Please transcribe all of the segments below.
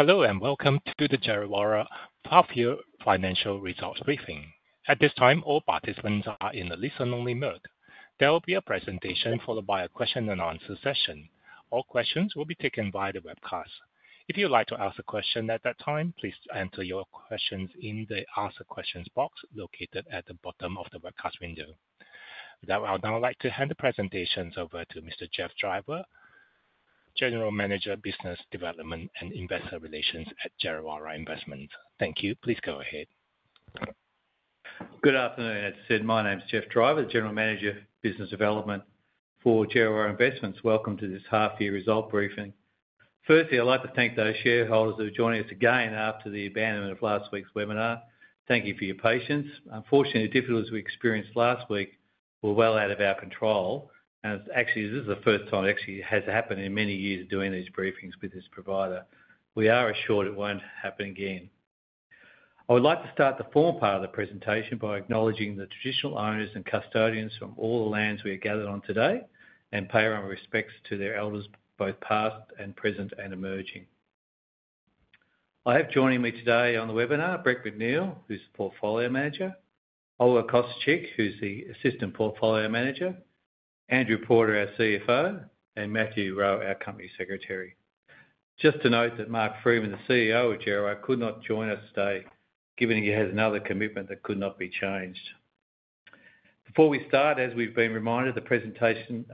Hello and welcome to the Djerriwarrh Financial Results Briefing. At this time, all participants are in a listen-only mode. There will be a presentation followed by a question-and-answer session. All questions will be taken via the webcast. If you'd like to ask a question at that time, please enter your questions in the Ask Questions box located at the bottom of the webcast window. I'd now like to hand the presentations over to Mr. Geoff Driver, General Manager, Business Development and Investor Relations at Djerriwarrh Investments. Thank you. Please go ahead. Good afternoon. As I said, my name is Geoff Driver, the General Manager, Business Development for Djerriwarrh Investments. Welcome to this half-year result briefing. Firstly, I'd like to thank those shareholders who have joined us again after the abandonment of last week's webinar. Thank you for your patience. Unfortunately, the difficulties we experienced last week were well out of our control. Actually, this is the first time it actually has happened in many years of doing these briefings with this provider. We are assured it won't happen again. I would like to start the formal part of the presentation by acknowledging the traditional owners and custodians from all the lands we are gathered on today and pay our respects to their elders, both past, present, and emerging. I have joining me today on the webinar Brett McNeill, who's the Portfolio Manager, Olga Kosciuczyk, who's the Assistant Portfolio Manager, Andrew Porter, our CFO, and Matthew Rowe, our Company Secretary. Just to note that Mark Freeman, the CEO of Djerriwarrh could not join us today given he has another commitment that could not be changed. Before we start, as we've been reminded, the presentation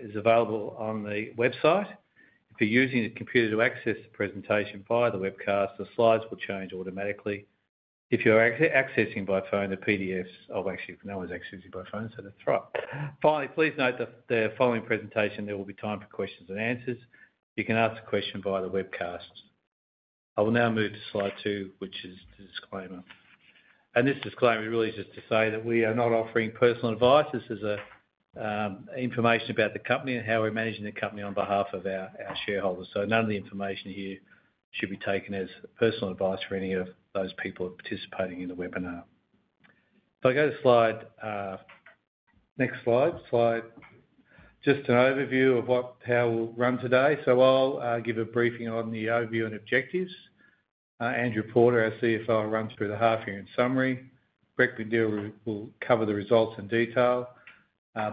is available on the website. If you're using a computer to access the presentation via the webcast, the slides will change automatically. If you're accessing by phone, the PDFs, oh, actually, no one's accessing by phone, so that's right. Finally, please note that the following presentation, there will be time for questions and answers. You can ask a question via the webcast. I will now move to slide two, which is the disclaimer. This disclaimer is really just to say that we are not offering personal advice. This is information about the company and how we're managing the company on behalf of our shareholders. So none of the information here should be taken as personal advice for any of those people participating in the webinar. If I go to slide next slide, just an overview of how we'll run today. So I'll give a briefing on the overview and objectives. Andrew Porter, our CFO, will run through the half-year in summary. Brett McNeill will cover the results in detail.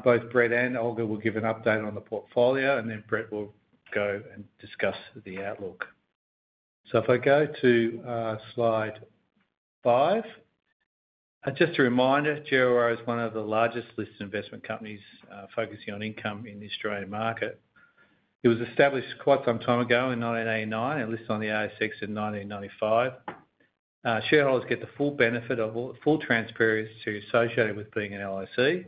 Both Brett and Olga will give an update on the portfolio, and then Brett will go and discuss the outlook. So if I go to slide five, just a reminder, Djerriwarrh is one of the largest listed investment companies focusing on income in the Australian market. It was established quite some time ago in 1989 and listed on the ASX in 1995. Shareholders get the full benefit of all full transparency associated with being a LIC,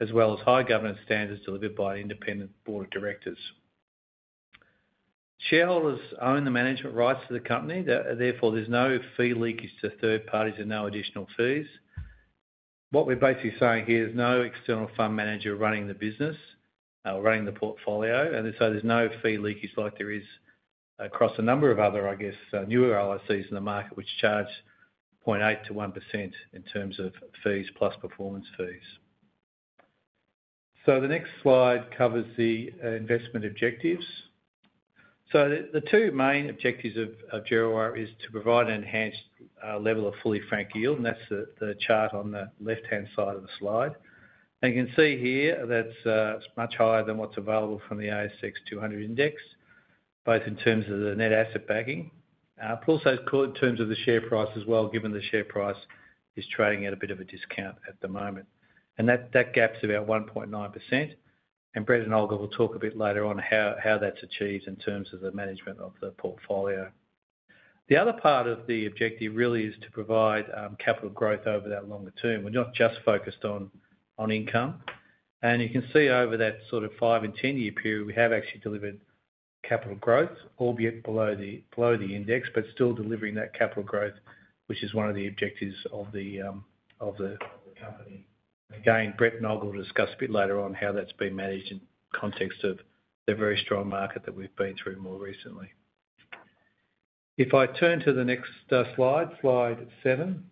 as well as high governance standards delivered by an independent board of directors. Shareholders own the management rights to the company. Therefore, there's no fee leakage to third parties and no additional fees. What we're basically saying here is no external fund manager running the business or running the portfolio. And so there's no fee leakage like there is across a number of other, I guess, newer LICs in the market, which charge 0.8%-1% in terms of fees plus performance fees. So the next slide covers the investment objectives. So the two main objectives of Djerriwarrh is to provide an enhanced level of fully franked yield, and that's the chart on the left-hand side of the slide. You can see here that's much higher than what's available from the ASX 200 index, both in terms of the net asset backing, but also in terms of the share price as well, given the share price is trading at a bit of a discount at the moment. That gap's about 1.9%. Brett and Olga will talk a bit later on how that's achieved in terms of the management of the portfolio. The other part of the objective really is to provide capital growth over that longer term. We're not just focused on income. You can see over that sort of five- and 10-year period, we have actually delivered capital growth, albeit below the index, but still delivering that capital growth, which is one of the objectives of the company. Again, Brett and Olga will discuss a bit later on how that's been managed in context of the very strong market that we've been through more recently. If I turn to the next slide, slide seven,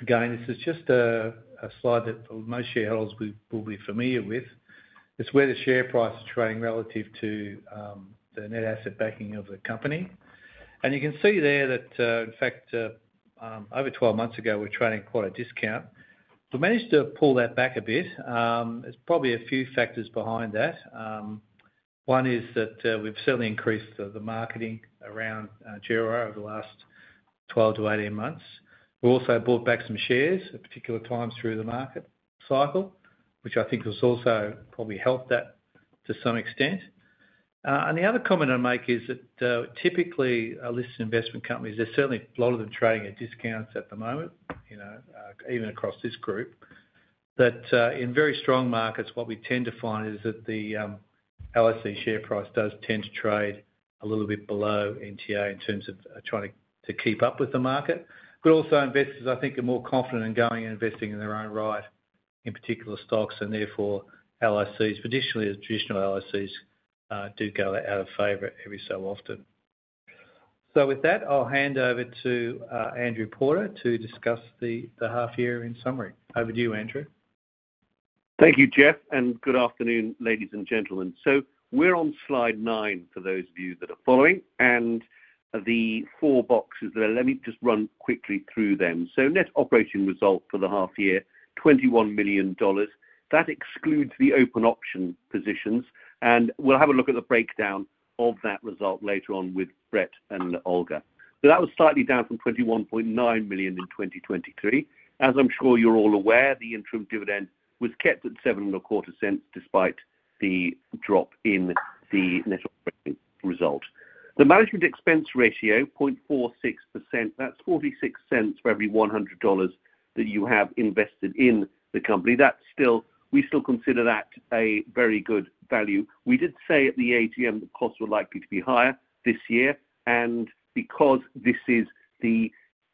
again, this is just a slide that most shareholders will be familiar with. It's where the share price is trading relative to the net asset backing of the company. And you can see there that, in fact, over 12 months ago, we were trading quite a discount. We managed to pull that back a bit. There's probably a few factors behind that. One is that we've certainly increased the marketing around Djerriwarrh over the last 12 to 18 months. We also bought back some shares at particular times through the market cycle, which I think has also probably helped that to some extent. The other comment I'd make is that typically listed investment companies, there's certainly a lot of them trading at discounts at the moment, even across this group. But in very strong markets, what we tend to find is that the LIC share price does tend to trade a little bit below NTA in terms of trying to keep up with the market. But also investors, I think, are more confident in going and investing in their own right in particular stocks. And therefore, LICs, traditionally traditional LICs, do go out of favour every so often. With that, I'll hand over to Andrew Porter to discuss the half-year in summary. Over to you, Andrew. Thank you, Geoff. And good afternoon, ladies and gentlemen. So we're on slide nine for those of you that are following. And the four boxes there, let me just run quickly through them. So net operating result for the half-year, 21 million dollars. That excludes the open option positions. And we'll have a look at the breakdown of that result later on with Brett and Olga. So that was slightly down from 21.9 million in 2023. As I'm sure you're all aware, the interim dividend was kept at 0.0725 despite the drop in the net operating result. The management expense ratio, 0.46%, that's 0.46 for every 100 dollars that you have invested in the company. We still consider that a very good value. We did say at the AGM the costs were likely to be higher this year. Because this is the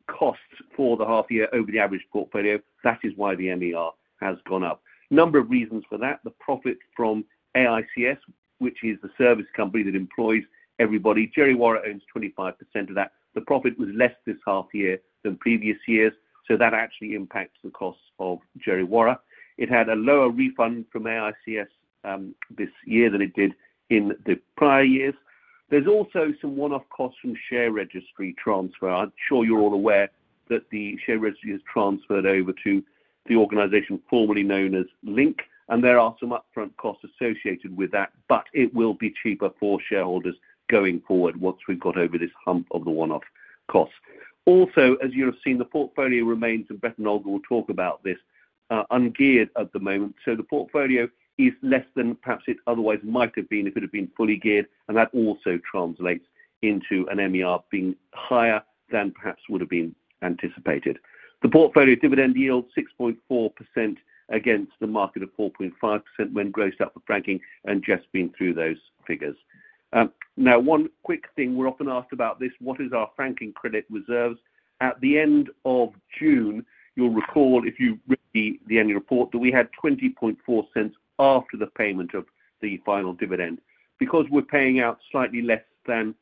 cost for the half-year over the average portfolio, that is why the MER has gone up. Number of reasons for that. The profit from AICS, which is the service company that employs everybody. Djerriwarrh owns 25% of that. The profit was less this half-year than previous years. So that actually impacts the costs of Djerriwarrh. It had a lower refund from AICS this year than it did in the prior years. There's also some one-off costs from share registry transfer. I'm sure you're all aware that the share registry is transferred over to the organization formerly known as Link. And there are some upfront costs associated with that, but it will be cheaper for shareholders going forward once we've got over this hump of the one-off costs. Also, as you have seen, the portfolio remains, and Brett and Olga will talk about this, ungeared at the moment. The portfolio is less than perhaps it otherwise might have been if it had been fully geared. That also translates into an MER being higher than perhaps would have been anticipated. The portfolio dividend yield, 6.4% against the market of 4.5% when grossed up for franking, and Geoff's been through those figures. Now, one quick thing. We're often asked about this. What is our franking credit reserves? At the end of June, you'll recall if you read the annual report that we had 0.204 after the payment of the final dividend. Because we're paying out slightly less than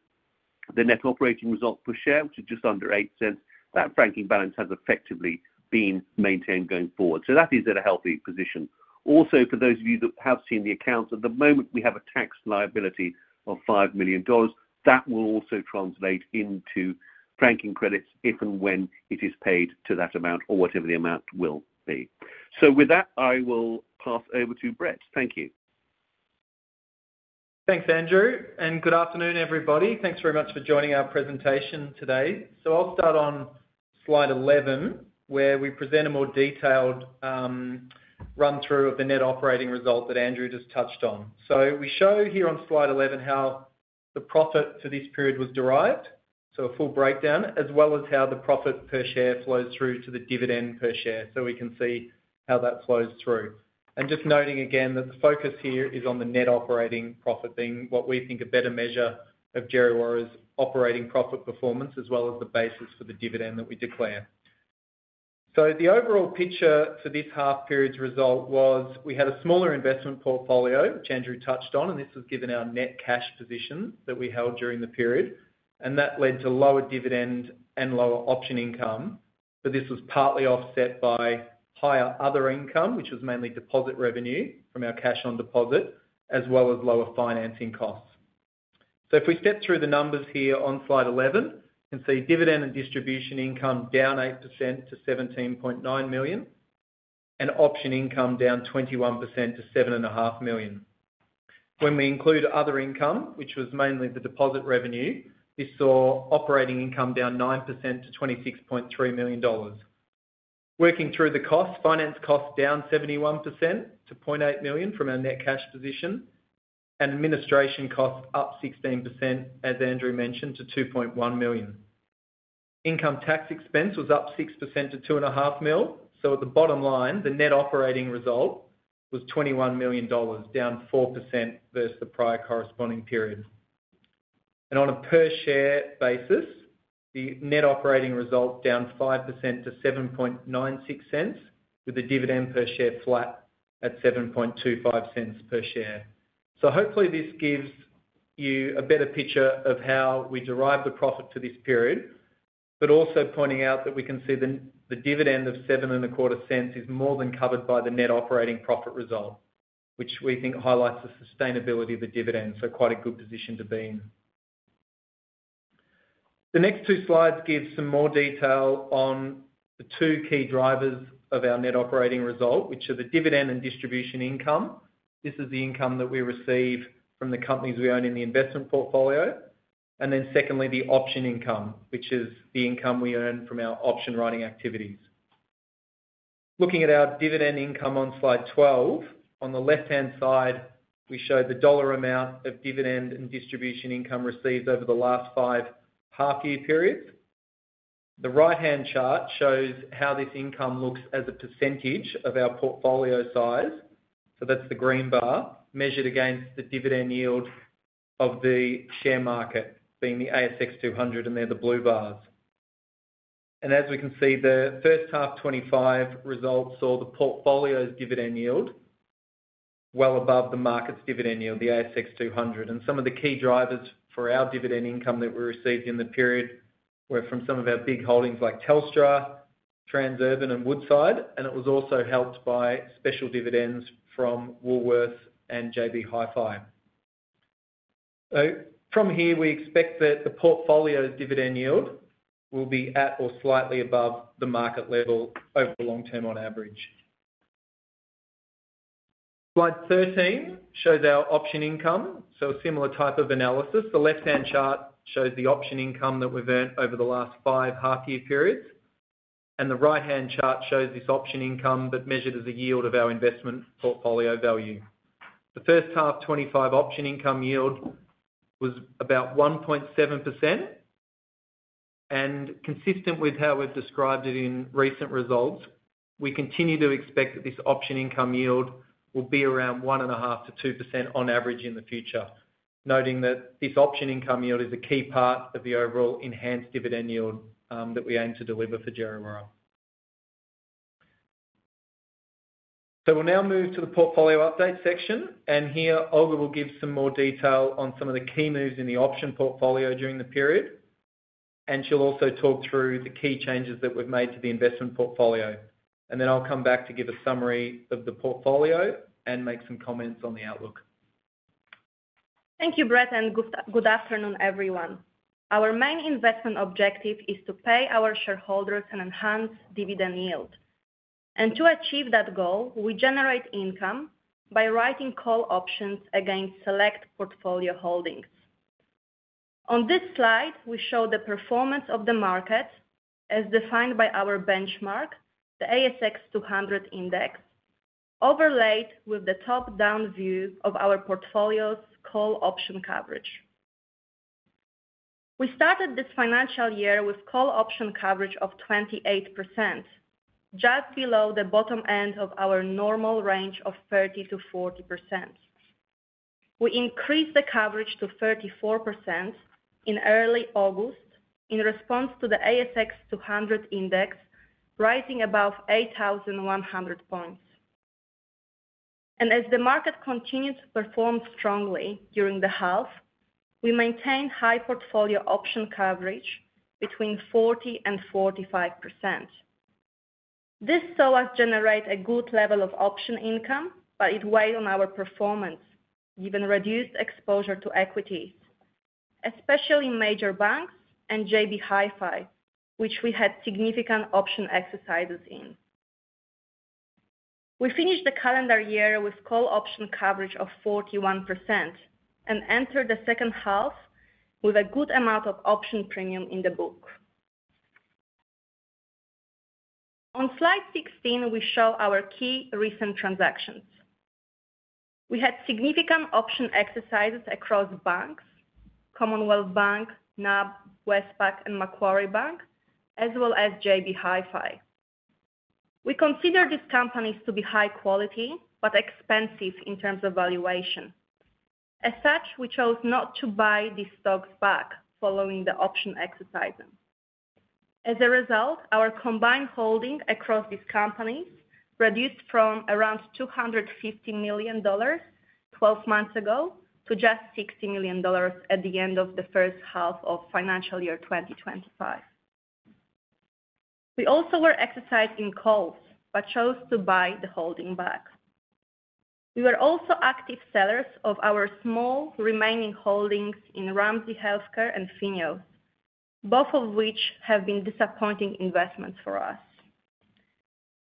the net operating result per share, which is just under 0.08, that franking balance has effectively been maintained going forward. That is at a healthy position. Also, for those of you that have seen the accounts, at the moment we have a tax liability of 5 million dollars. That will also translate into franking credits if and when it is paid to that amount or whatever the amount will be. So with that, I will pass over to Brett. Thank you. Thanks, Andrew. And good afternoon, everybody. Thanks very much for joining our presentation today. So I'll start on slide 11, where we present a more detailed run-through of the net operating result that Andrew just touched on. So we show here on slide 11 how the profit for this period was derived, so a full breakdown, as well as how the profit per share flows through to the dividend per share. So we can see how that flows through. And just noting again that the focus here is on the net operating profit being what we think a better measure of Djerriwarrh's operating profit performance as well as the basis for the dividend that we declare. So the overall picture for this half-period's result was we had a smaller investment portfolio, which Andrew touched on, and this was given our net cash positions that we held during the period. That led to lower dividend and lower option income. But this was partly offset by higher other income, which was mainly deposit revenue from our cash on deposit, as well as lower financing costs. If we step through the numbers here on slide 11, you can see dividend and distribution income down 8% to 17.9 million, and option income down 21% to 7.5 million. When we include other income, which was mainly the deposit revenue, we saw operating income down 9% to 26.3 million dollars. Working through the costs, finance costs down 71% to 0.8 million from our net cash position, and administration costs up 16%, as Andrew mentioned, to 2.1 million. Income tax expense was up 6% to 2.5 mil. At the bottom line, the net operating result was 21 million dollars, down 4% versus the prior corresponding period. On a per-share basis, the net operating result down 5% to 0.0796, with the dividend per share flat at 0.0725 per share. Hopefully this gives you a better picture of how we derived the profit for this period, but also pointing out that we can see the dividend of 0.0725 is more than covered by the net operating profit result, which we think highlights the sustainability of the dividend. Quite a good position to be in. The next two slides give some more detail on the two key drivers of our net operating result, which are the dividend and distribution income. This is the income that we receive from the companies we own in the investment portfolio. Secondly, the option income, which is the income we earn from our option writing activities. Looking at our dividend income on slide 12, on the left-hand side, we show the dollar amount of dividend and distribution income received over the last five half-year periods. The right-hand chart shows how this income looks as a percentage of our portfolio size. So that's the green bar, measured against the dividend yield of the share market, being the ASX 200, and they're the blue bars. And as we can see, the first half 2025 result saw the portfolio's dividend yield well above the market's dividend yield, the ASX 200. And some of the key drivers for our dividend income that we received in the period were from some of our big holdings like Telstra, Transurban, and Woodside. And it was also helped by special dividends from Woolworths and JB Hi-Fi. From here, we expect that the portfolio's dividend yield will be at or slightly above the market level over the long term on average. Slide 13 shows our option income, so a similar type of analysis. The left-hand chart shows the option income that we've earned over the last five half-year periods. The right-hand chart shows this option income that measured as a yield of our investment portfolio value. The first half 2025 option income yield was about 1.7%. Consistent with how we've described it in recent results, we continue to expect that this option income yield will be around 1.5%-2% on average in the future, noting that this option income yield is a key part of the overall enhanced dividend yield that we aim to deliver for Djerriwarrh. We'll now move to the portfolio update section. And here, Olga will give some more detail on some of the key moves in the option portfolio during the period. And she'll also talk through the key changes that we've made to the investment portfolio. And then I'll come back to give a summary of the portfolio and make some comments on the outlook. Thank you, Brett, and good afternoon, everyone. Our main investment objective is to pay our shareholders an enhanced dividend yield, and to achieve that goal, we generate income by writing call options against select portfolio holdings. On this slide, we show the performance of the market as defined by our benchmark, the ASX 200 index, overlaid with the top-down view of our portfolio's call option coverage. We started this financial year with call option coverage of 28%, just below the bottom end of our normal range of 30%-40%. We increased the coverage to 34% in early August in response to the ASX 200 index rising above 8,100 points, and as the market continued to perform strongly during the half, we maintained high portfolio option coverage between 40% and 45%. This saw us generate a good level of option income, but it weighed on our performance, given reduced exposure to equities, especially major banks and JB Hi-Fi, which we had significant option exercises in. We finished the calendar year with call option coverage of 41% and entered the second half with a good amount of option premium in the book. On slide 16, we show our key recent transactions. We had significant option exercises across banks: Commonwealth Bank, NAB, Westpac, and Macquarie Bank, as well as JB Hi-Fi. We consider these companies to be high quality but expensive in terms of valuation. As such, we chose not to buy these stocks back following the option exercises. As a result, our combined holding across these companies reduced from around 250 million dollars 12 months ago to just 60 million dollars at the end of the first half of financial year 2025. We also were exercising calls but chose to buy the holding back. We were also active sellers of our small remaining holdings in Ramsay Health Care and FINEOS, both of which have been disappointing investments for us.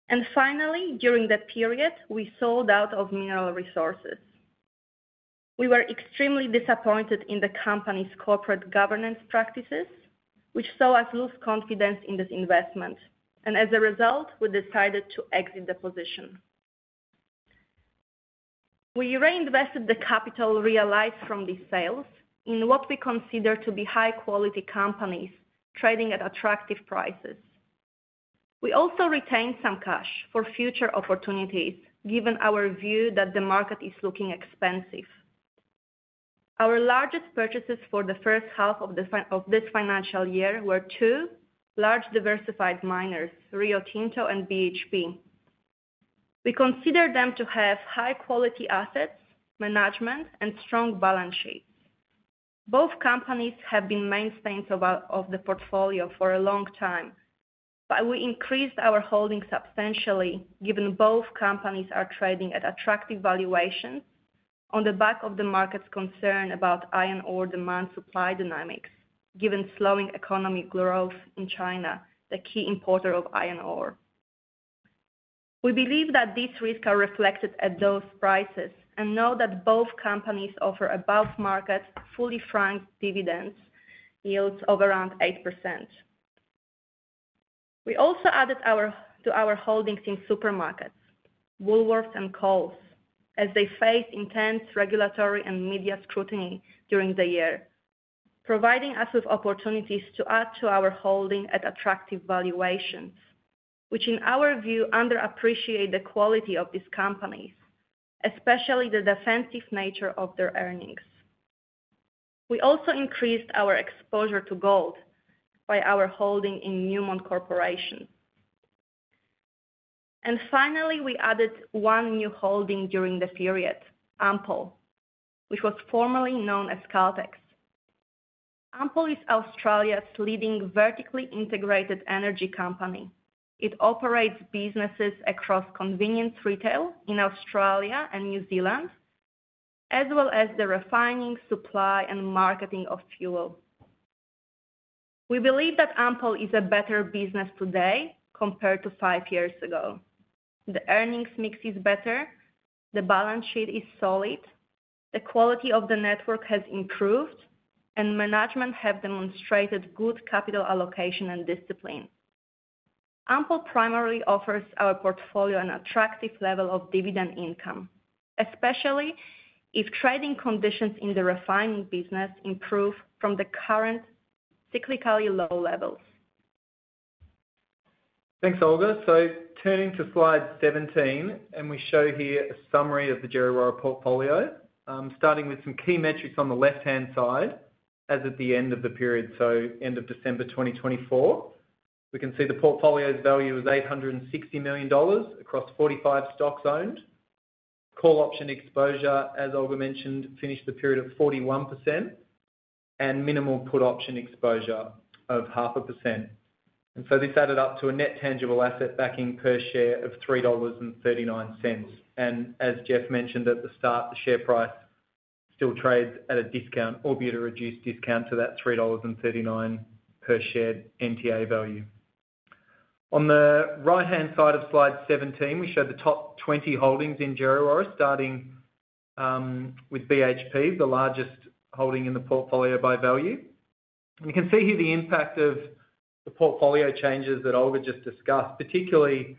And finally, during that period, we sold out of Mineral Resources. We were extremely disappointed in the company's corporate governance practices, which saw us lose confidence in this investment. And as a result, we decided to exit the position. We reinvested the capital realized from these sales in what we consider to be high-quality companies trading at attractive prices. We also retained some cash for future opportunities, given our view that the market is looking expensive. Our largest purchases for the first half of this financial year were two large diversified miners, Rio Tinto and BHP. We consider them to have high-quality assets, management, and strong balance sheets. Both companies have been mainstays of the portfolio for a long time, but we increased our holding substantially, given both companies are trading at attractive valuations on the back of the market's concern about iron ore demand-supply dynamics, given slowing economic growth in China, the key importer of iron ore. We believe that these risks are reflected at those prices and know that both companies offer above-market, fully franked dividend yields of around 8%. We also added to our holdings in supermarkets, Woolworths, and Coles, as they faced intense regulatory and media scrutiny during the year, providing us with opportunities to add to our holding at attractive valuations, which in our view underappreciate the quality of these companies, especially the defensive nature of their earnings. We also increased our exposure to gold via our holding in Newmont Corporation. Finally, we added one new holding during the period, Ampol, which was formerly known as Caltex. Ampol is Australia's leading vertically integrated energy company. It operates businesses across convenience retail in Australia and New Zealand, as well as the refining, supply, and marketing of fuel. We believe that Ampol is a better business today compared to five years ago. The earnings mix is better, the balance sheet is solid, the quality of the network has improved, and management have demonstrated good capital allocation and discipline. Ampol primarily offers our portfolio an attractive level of dividend income, especially if trading conditions in the refining business improve from the current cyclically low levels. Thanks, Olga. So turning to slide 17, and we show here a summary of the Djerriwarrh portfolio, starting with some key metrics on the left-hand side as at the end of the period, so end of December 2024. We can see the portfolio's value was 860 million dollars across 45 stocks owned. Call option exposure, as Olga mentioned, finished the period at 41%, and minimal put option exposure of 0.5%. And so this added up to a net tangible asset backing per share of 3.39 dollars. And as Geoff mentioned at the start, the share price still trades at a discount, albeit a reduced discount to that 3.39 dollars per share NTA value. On the right-hand side of slide 17, we show the top 20 holdings in Djerriwarrh, starting with BHP, the largest holding in the portfolio by value. You can see here the impact of the portfolio changes that Olga just discussed, particularly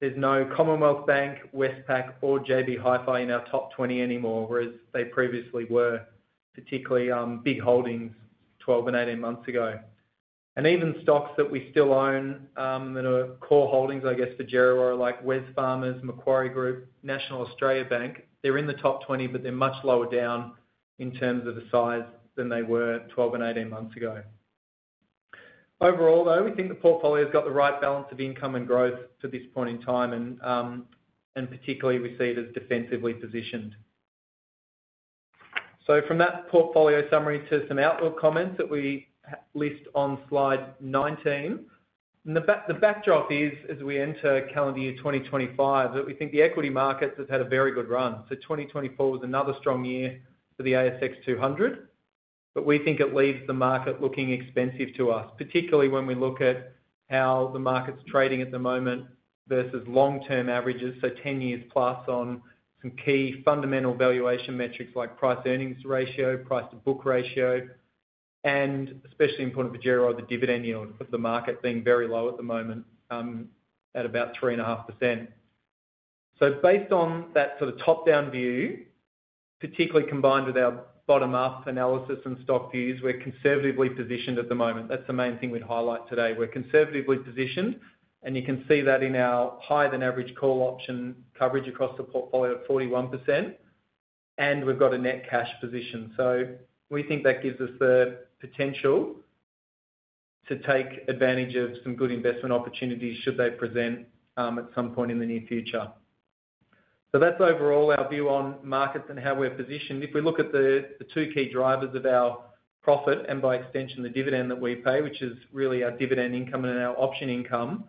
there's no Commonwealth Bank, Westpac, or JB Hi-Fi in our top 20 anymore, whereas they previously were particularly big holdings 12 and 18 months ago. Even stocks that we still own that are core holdings, I guess, for Djerriwarrh, like Wesfarmers, Macquarie Group, National Australia Bank, they're in the top 20, but they're much lower down in terms of the size than they were 12 and 18 months ago. Overall, though, we think the portfolio has got the right balance of income and growth to this point in time, and particularly we see it as defensively positioned. From that portfolio summary to some outlook comments that we list on slide 19, the backdrop is, as we enter calendar year 2025, that we think the equity markets have had a very good run. 2024 was another strong year for the ASX 200, but we think it leaves the market looking expensive to us, particularly when we look at how the market's trading at the moment versus long-term averages, so 10 years plus on some key fundamental valuation metrics like price-earnings ratio, price-to-book ratio, and especially important for Djerriwarrh, the dividend yield of the market being very low at the moment at about 3.5%. Based on that sort of top-down view, particularly combined with our bottom-up analysis and stock views, we're conservatively positioned at the moment. That's the main thing we'd highlight today. We're conservatively positioned, and you can see that in our higher-than-average call option coverage across the portfolio at 41%, and we've got a net cash position. So we think that gives us the potential to take advantage of some good investment opportunities should they present at some point in the near future. So that's overall our view on markets and how we're positioned. If we look at the two key drivers of our profit and by extension the dividend that we pay, which is really our dividend income and our option income,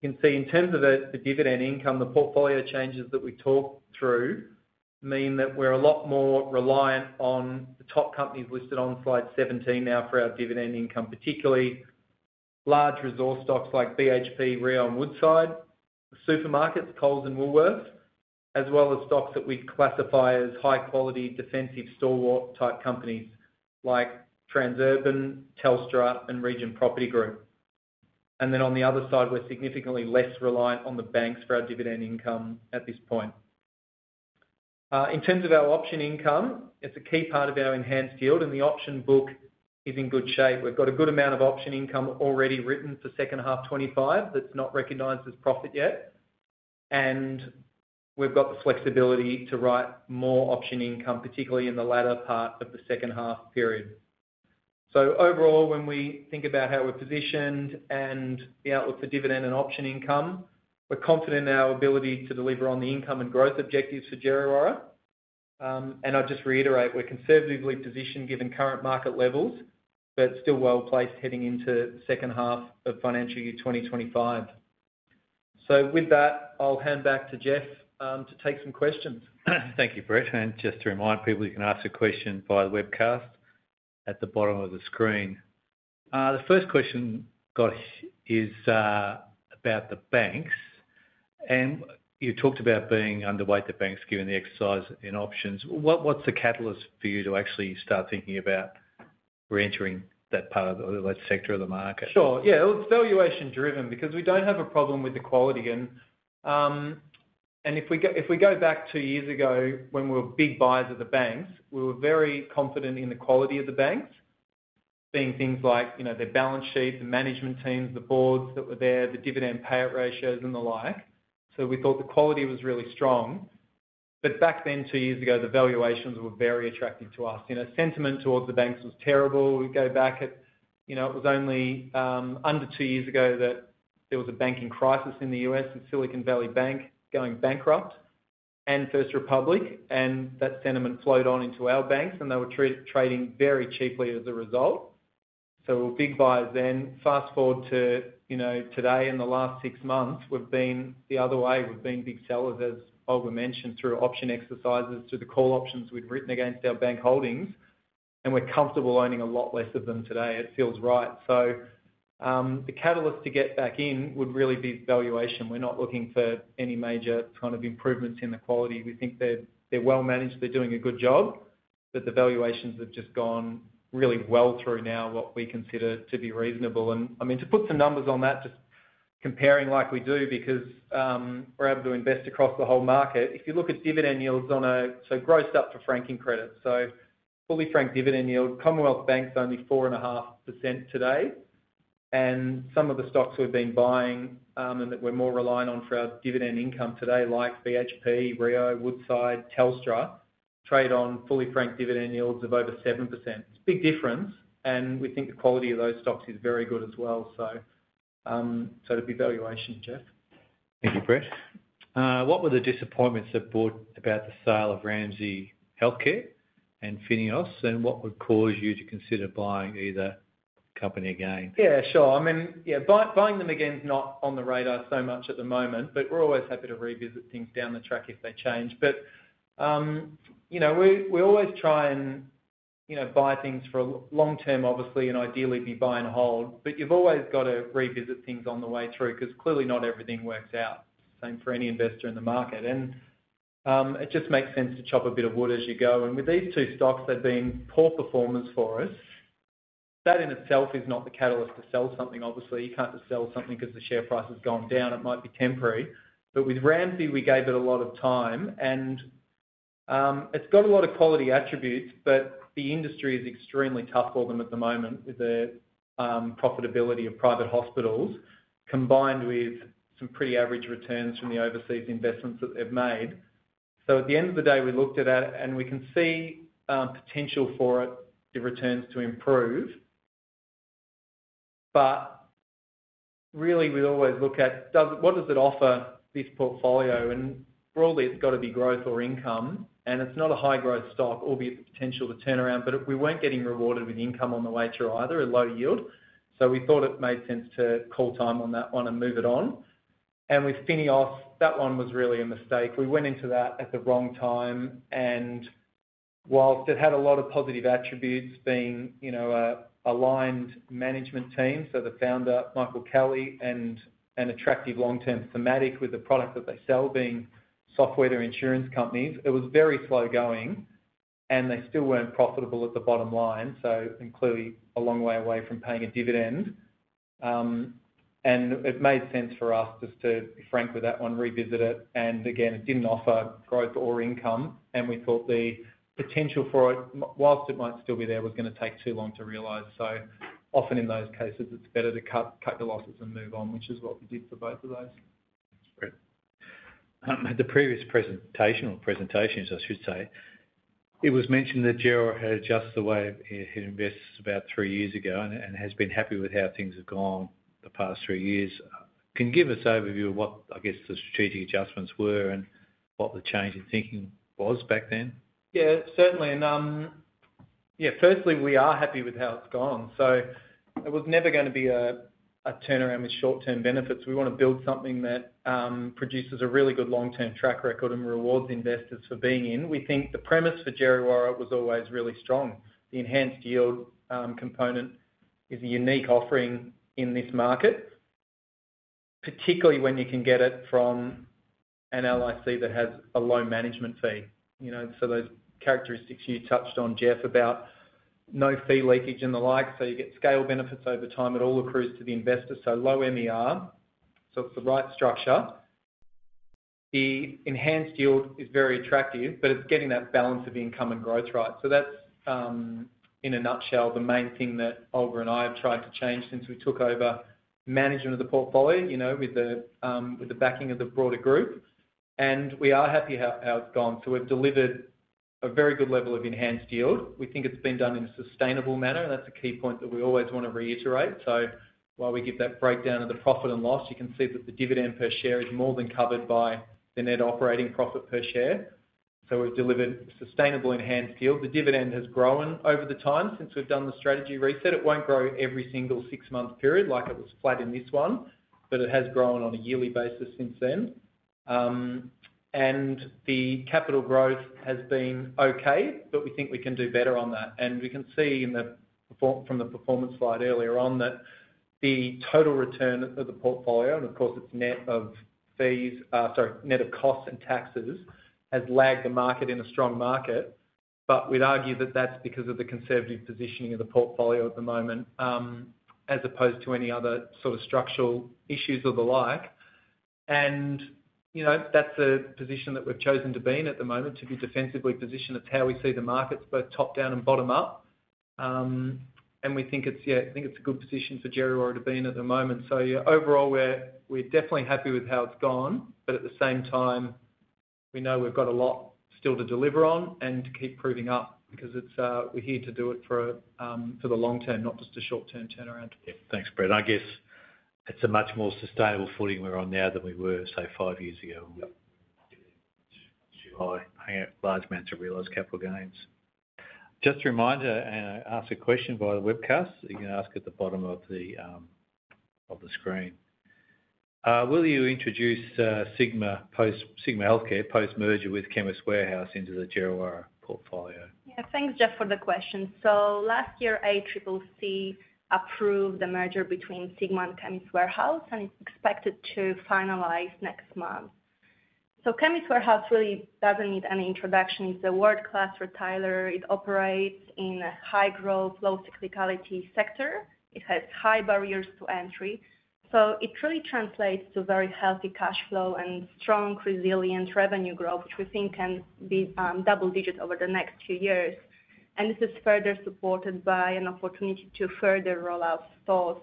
you can see in terms of the dividend income, the portfolio changes that we talked through mean that we're a lot more reliant on the top companies listed on slide 17 now for our dividend income, particularly large resource stocks like BHP, Rio, and Woodside, supermarkets, Coles, and Woolworths, as well as stocks that we classify as high-quality defensive stalwart-type companies like Transurban, Telstra, and Region Property Group. And then on the other side, we're significantly less reliant on the banks for our dividend income at this point. In terms of our option income, it's a key part of our enhanced yield, and the option book is in good shape. We've got a good amount of option income already written for second half 2025 that's not recognized as profit yet, and we've got the flexibility to write more option income, particularly in the latter part of the second half period. So overall, when we think about how we're positioned and the outlook for dividend and option income, we're confident in our ability to deliver on the income and growth objectives for Djerriwarrh. And I'll just reiterate, we're conservatively positioned given current market levels, but still well placed heading into the second half of financial year 2025. So with that, I'll hand back to Geoff to take some questions. Thank you, Brett. And just to remind people, you can ask a question via the webcast at the bottom of the screen. The first question I've got is about the banks. And you talked about being underweight the banks given the exercise in options. What's the catalyst for you to actually start thinking about re-entering that part of that sector of the market? Sure. Yeah. It's valuation-driven because we don't have a problem with the quality. And if we go back two years ago when we were big buyers of the banks, we were very confident in the quality of the banks, being things like their balance sheet, the management teams, the boards that were there, the dividend payout ratios, and the like. So we thought the quality was really strong. But back then, two years ago, the valuations were very attractive to us. Sentiment towards the banks was terrible. We go back, it was only under two years ago that there was a banking crisis in the U.S. with Silicon Valley Bank going bankrupt and First Republic. And that sentiment flowed on into our banks, and they were trading very cheaply as a result. So we were big buyers then. Fast forward to today. In the last six months, we've been the other way. We've been big sellers, as Olga mentioned, through option exercises, through the call options we've written against our bank holdings. And we're comfortable owning a lot less of them today. It feels right. So the catalyst to get back in would really be valuation. We're not looking for any major kind of improvements in the quality. We think they're well managed. They're doing a good job. But the valuations have just gone really well through now, what we consider to be reasonable. And I mean, to put some numbers on that, just comparing like we do because we're able to invest across the whole market. If you look at dividend yields on a so grossed up for franking credit. So fully franked dividend yield, Commonwealth Bank's only 4.5% today. Some of the stocks we've been buying and that we're more reliant on for our dividend income today, like BHP, Rio, Woodside, Telstra, trade on fully franked dividend yields of over 7%. It's a big difference. We think the quality of those stocks is very good as well. It'd be valuation, Geoff. Thank you, Brett. What were the disappointments that brought about the sale of Ramsay Health Care and FINEOS? And what would cause you to consider buying either company again? Yeah, sure. I mean, yeah, buying them again's not on the radar so much at the moment, but we're always happy to revisit things down the track if they change. But we always try and buy things for long-term, obviously, and ideally be buy and hold. But you've always got to revisit things on the way through because clearly not everything works out. Same for any investor in the market. And it just makes sense to chop a bit of wood as you go. And with these two stocks, they've been poor performers for us. That in itself is not the catalyst to sell something, obviously. You can't just sell something because the share price has gone down. It might be temporary. But with Ramsay, we gave it a lot of time. And it's got a lot of quality attributes, but the industry is extremely tough for them at the moment with the profitability of private hospitals combined with some pretty average returns from the overseas investments that they've made. So at the end of the day, we looked at that, and we can see potential for it, the returns to improve. But really, we always look at what does it offer this portfolio? And broadly, it's got to be growth or income. And it's not a high-growth stock, albeit the potential to turn around. But we weren't getting rewarded with income on the way through either, a low yield. So we thought it made sense to call time on that one and move it on. And with FINEOS, that one was really a mistake. We went into that at the wrong time. While it had a lot of positive attributes, being an aligned management team, so the founder, Michael Kelly, and an attractive long-term thematic with the product that they sell being software to insurance companies, it was very slow going. And they still weren't profitable at the bottom line, and clearly a long way away from paying a dividend. And it made sense for us just to be frank with that one, revisit it. And again, it didn't offer growth or income. And we thought the potential for it, while it might still be there, was going to take too long to realize. So often in those cases, it's better to cut the losses and move on, which is what we did for both of those. Great. At the previous presentation, or presentations, I should say, it was mentioned that Djerriwarrh had adjusted the way it invests about three years ago and has been happy with how things have gone the past three years. Can you give us an overview of what, I guess, the strategic adjustments were and what the change in thinking was back then? Yeah, certainly. And yeah, firstly, we are happy with how it's gone. So it was never going to be a turnaround with short-term benefits. We want to build something that produces a really good long-term track record and rewards investors for being in. We think the premise for Djerriwarrh was always really strong. The enhanced yield component is a unique offering in this market, particularly when you can get it from an LIC that has a low management fee. So those characteristics you touched on, Geoff, about no fee leakage and the like. So you get scale benefits over time. It all accrues to the investor. So low MER. So it's the right structure. The enhanced yield is very attractive, but it's getting that balance of income and growth right. That's, in a nutshell, the main thing that Olga and I have tried to change since we took over management of the portfolio with the backing of the broader group. We are happy how it's gone. We've delivered a very good level of enhanced yield. We think it's been done in a sustainable manner. That's a key point that we always want to reiterate. While we give that breakdown of the profit and loss, you can see that the dividend per share is more than covered by the net operating profit per share. We've delivered sustainable enhanced yield. The dividend has grown over the time since we've done the strategy reset. It won't grow every single six-month period like it was flat in this one, but it has grown on a yearly basis since then. The capital growth has been okay, but we think we can do better on that. We can see from the performance slide earlier on that the total return of the portfolio, and of course, it's net of fees sorry, net of costs and taxes, has lagged the market in a strong market. We'd argue that that's because of the conservative positioning of the portfolio at the moment as opposed to any other sort of structural issues or the like. That's the position that we've chosen to be in at the moment, to be defensively positioned. It's how we see the markets, both top-down and bottom-up. We think it's yeah, I think it's a good position for Djerriwarrh to be in at the moment. Overall, we're definitely happy with how it's gone. But at the same time, we know we've got a lot still to deliver on and to keep proving up because we're here to do it for the long term, not just a short-term turnaround. Yeah. Thanks, Brett. I guess it's a much more sustainable footing we're on now than we were, say, five years ago. Hand out large amounts of realized capital gains. Just a reminder, and I asked a question via the webcast. You can ask at the bottom of the screen. Will you introduce Sigma Healthcare post-merger with Chemist Warehouse into the Djerriwarrh portfolio? Yeah. Thanks, Geoff, for the question. So last year, ACCC approved the merger between Sigma and Chemist Warehouse, and it's expected to finalize next month. So Chemist Warehouse really doesn't need any introduction. It's a world-class retailer. It operates in a high-growth, low-cyclicality sector. It has high barriers to entry. So it truly translates to very healthy cash flow and strong, resilient revenue growth, which we think can be double-digit over the next few years. And this is further supported by an opportunity to further roll out stores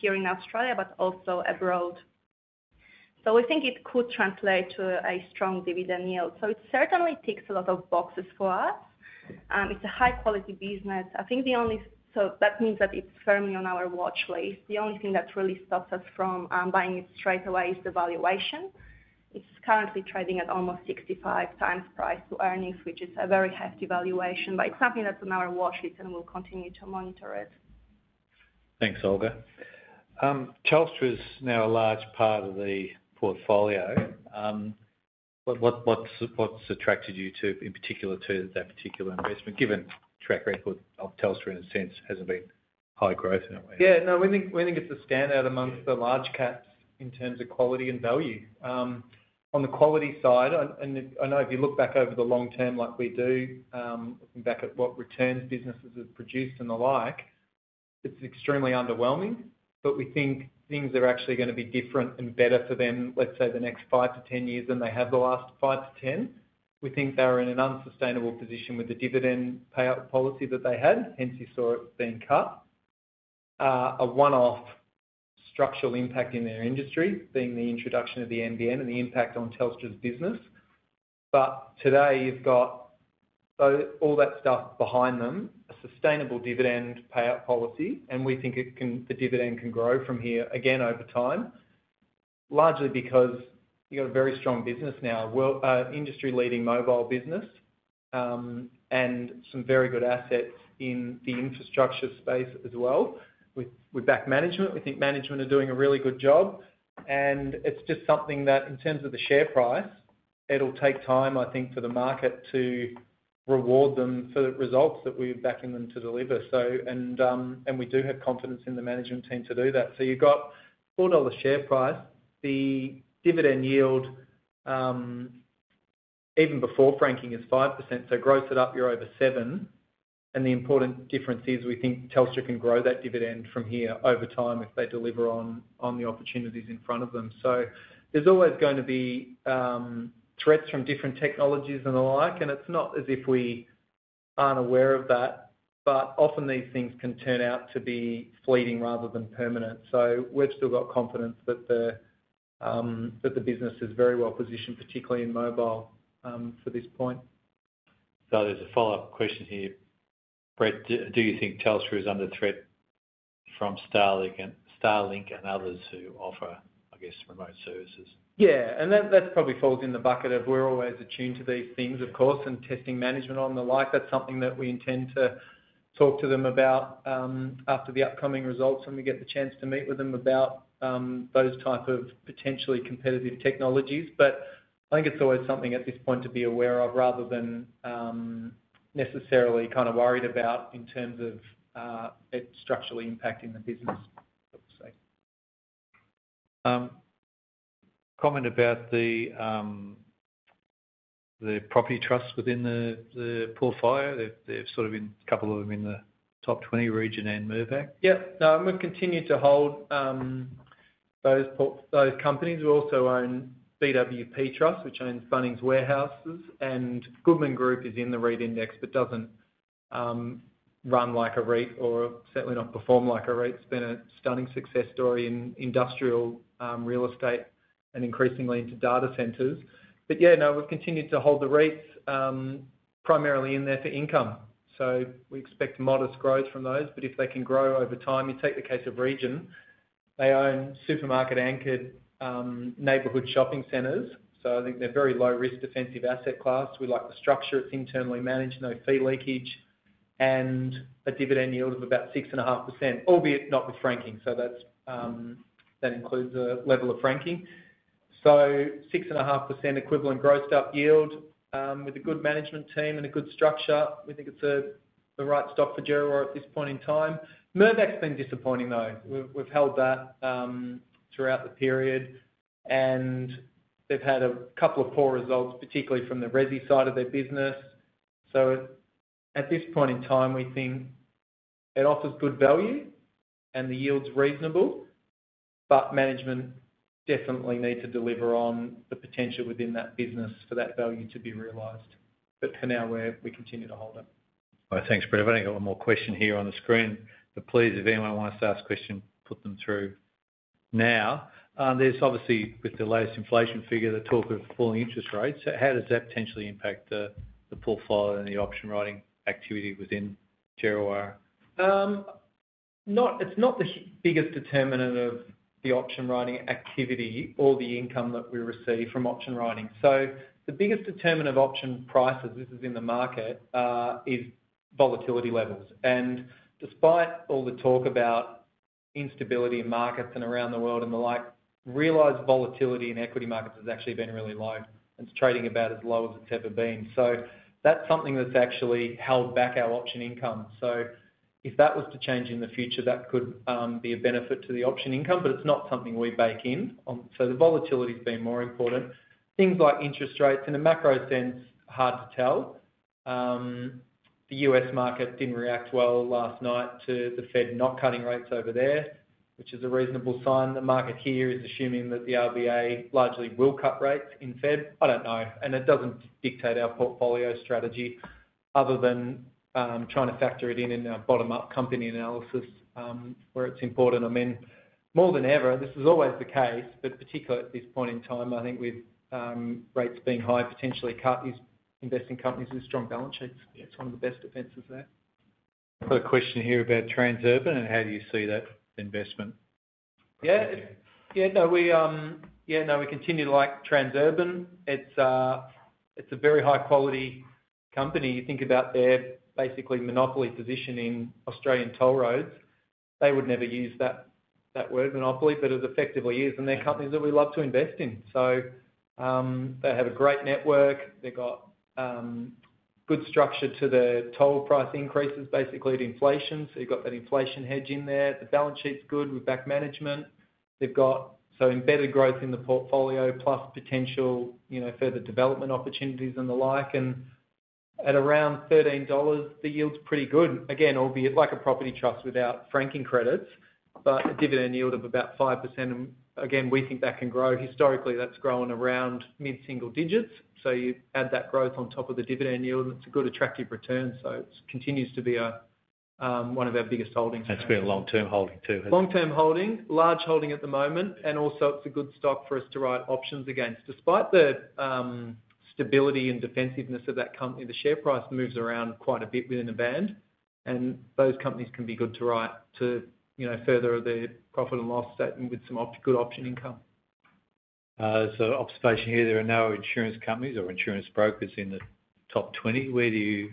here in Australia, but also abroad. So we think it could translate to a strong dividend yield. So it certainly ticks a lot of boxes for us. It's a high-quality business. I think the only so that means that it's firmly on our watchlist. The only thing that really stops us from buying it straight away is the valuation. It's currently trading at almost 65 times price to earnings, which is a very hefty valuation. But it's something that's on our watchlist, and we'll continue to monitor it. Thanks, Olga. Telstra is now a large part of the portfolio. What's attracted you in particular to that particular investment, given track record of Telstra in a sense hasn't been high growth in that way? Yeah. No, we think it's a standout amongst the large caps in terms of quality and value. On the quality side, and I know if you look back over the long term like we do, looking back at what returns businesses have produced and the like, it's extremely underwhelming. But we think things are actually going to be different and better for them, let's say, the next five to 10 years than they have the last five to 10. We think they're in an unsustainable position with the dividend payout policy that they had, hence you saw it being cut. A one-off structural impact in their industry, being the introduction of the NBN and the impact on Telstra's business. But today, you've got all that stuff behind them, a sustainable dividend payout policy, and we think the dividend can grow from here again over time, largely because you've got a very strong business now, industry-leading mobile business, and some very good assets in the infrastructure space as well with back management. We think management are doing a really good job. And it's just something that, in terms of the share price, it'll take time, I think, for the market to reward them for the results that we're backing them to deliver. And we do have confidence in the management team to do that. So you've got 4 dollar share price. The dividend yield, even before franking, is 5%. So gross it up, you're over 7%. And the important difference is we think Telstra can grow that dividend from here over time if they deliver on the opportunities in front of them. So there's always going to be threats from different technologies and the like. And it's not as if we aren't aware of that. But often, these things can turn out to be fleeting rather than permanent. So we've still got confidence that the business is very well positioned, particularly in mobile for this point. So there's a follow-up question here. Brett, do you think Telstra is under threat from Starlink and others who offer, I guess, remote services? Yeah, and that probably falls in the bucket of we're always attuned to these things, of course, and testing management on the like. That's something that we intend to talk to them about after the upcoming results when we get the chance to meet with them about those type of potentially competitive technologies, but I think it's always something at this point to be aware of rather than necessarily kind of worried about in terms of it structurally impacting the business, I would say. Comment about the property trusts within the portfolio. There's sort of been a couple of them in the top 20 region and Mirvac. Yep. No, and we've continued to hold those companies. We also own BWP Trust, which owns Bunnings Warehouses. And Goodman Group is in the REIT index but doesn't run like a REIT or certainly not perform like a REIT. It's been a stunning success story in industrial real estate and increasingly into data centers. But yeah, no, we've continued to hold the REITs primarily in there for income. So we expect modest growth from those. But if they can grow over time, you take the case of Region. They own supermarket-anchored neighborhood shopping centers. So I think they're very low-risk defensive asset class. We like the structure. It's internally managed, no fee leakage, and a dividend yield of about 6.5%, albeit not with franking. So that includes a level of franking. So 6.5% equivalent grossed-up yield with a good management team and a good structure. We think it's the right stock for Djerriwarrh at this point in time. Mirvac's been disappointing, though. We've held that throughout the period. And they've had a couple of poor results, particularly from the resi side of their business. So at this point in time, we think it offers good value, and the yield's reasonable. But management definitely need to deliver on the potential within that business for that value to be realized. But for now, we continue to hold it. All right. Thanks, Brett. I've only got one more question here on the screen. But please, if anyone wants to ask a question, put them through now. There's obviously, with the latest inflation figure, the talk of falling interest rates. So how does that potentially impact the portfolio and the option writing activity within Djerriwarrh? It's not the biggest determinant of the option writing activity or the income that we receive from option writing. So the biggest determinant of option prices, this is in the market, is volatility levels. And despite all the talk about instability in markets and around the world and the like, realized volatility in equity markets has actually been really low. And it's trading about as low as it's ever been. So that's something that's actually held back our option income. So if that was to change in the future, that could be a benefit to the option income. But it's not something we bake in. So the volatility's been more important. Things like interest rates in a macro sense, hard to tell. The U.S. market didn't react well last night to the Fed not cutting rates over there, which is a reasonable sign. The market here is assuming that the RBA largely will cut rates in Fed. I don't know, and it doesn't dictate our portfolio strategy other than trying to factor it in in our bottom-up company analysis where it's important. I mean, more than ever, this is always the case, but particularly at this point in time, I think with rates being high, potentially cut these investing companies with strong balance sheets. It's one of the best defenses there. I've got a question here about Transurban. And how do you see that investment? Yeah. Yeah. No, we continue to like Transurban. It's a very high-quality company. You think about their basically monopoly position in Australian toll roads. They would never use that word, monopoly, but it effectively is. And they're companies that we love to invest in. So they have a great network. They've got good structure to the toll price increases, basically to inflation. So you've got that inflation hedge in there. The balance sheet's good with debt management. They've got some embedded growth in the portfolio plus potential further development opportunities and the like. And at around 13 dollars, the yield's pretty good. Again, albeit like a property trust without franking credits, but a dividend yield of about 5%. And again, we think that can grow. Historically, that's grown around mid-single digits. So you add that growth on top of the dividend yield, and it's a good attractive return. So it continues to be one of our biggest holdings. That's been a long-term holding too. Long-term holding, large holding at the moment. And also, it's a good stock for us to write options against. Despite the stability and defensiveness of that company, the share price moves around quite a bit within a band. And those companies can be good to write to further the profit and loss statement with some good option income. So observation here, there are no insurance companies or insurance brokers in the top 20. Where do you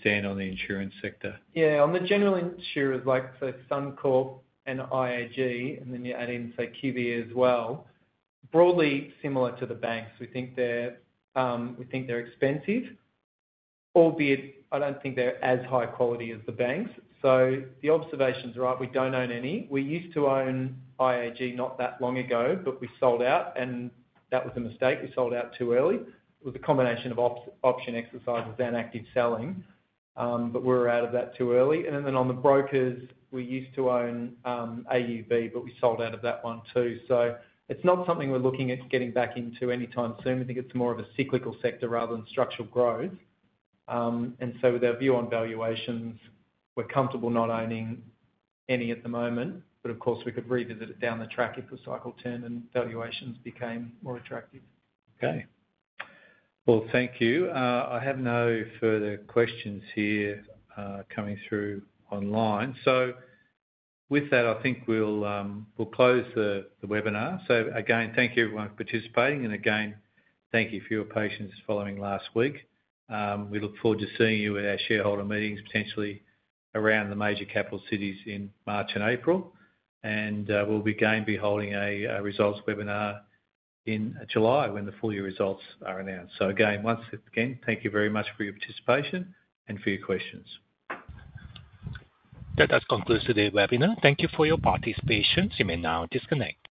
stand on the insurance sector? Yeah. On the general insurers, like say, Suncorp and IAG, and then you add in, say, QBE as well. Broadly similar to the banks. We think they're expensive, albeit I don't think they're as high quality as the banks. So the observation's right. We don't own any. We used to own IAG not that long ago, but we sold out. And that was a mistake. We sold out too early. It was a combination of option exercises and active selling. But we were out of that too early. And then on the brokers, we used to own AUB, but we sold out of that one too. So it's not something we're looking at getting back into anytime soon. We think it's more of a cyclical sector rather than structural growth. And so with our view on valuations, we're comfortable not owning any at the moment. But of course, we could revisit it down the track if the cycle turned and valuations became more attractive. Okay. Well, thank you. I have no further questions here coming through online. So with that, I think we'll close the webinar. So again, thank you everyone for participating. And again, thank you for your patience following last week. We look forward to seeing you at our shareholder meetings, potentially around the major capital cities in March and April. And we'll be holding a results webinar in July when the full year results are announced. So again, once again, thank you very much for your participation and for your questions. That does conclude today's webinar. Thank you for your participation. You may now disconnect.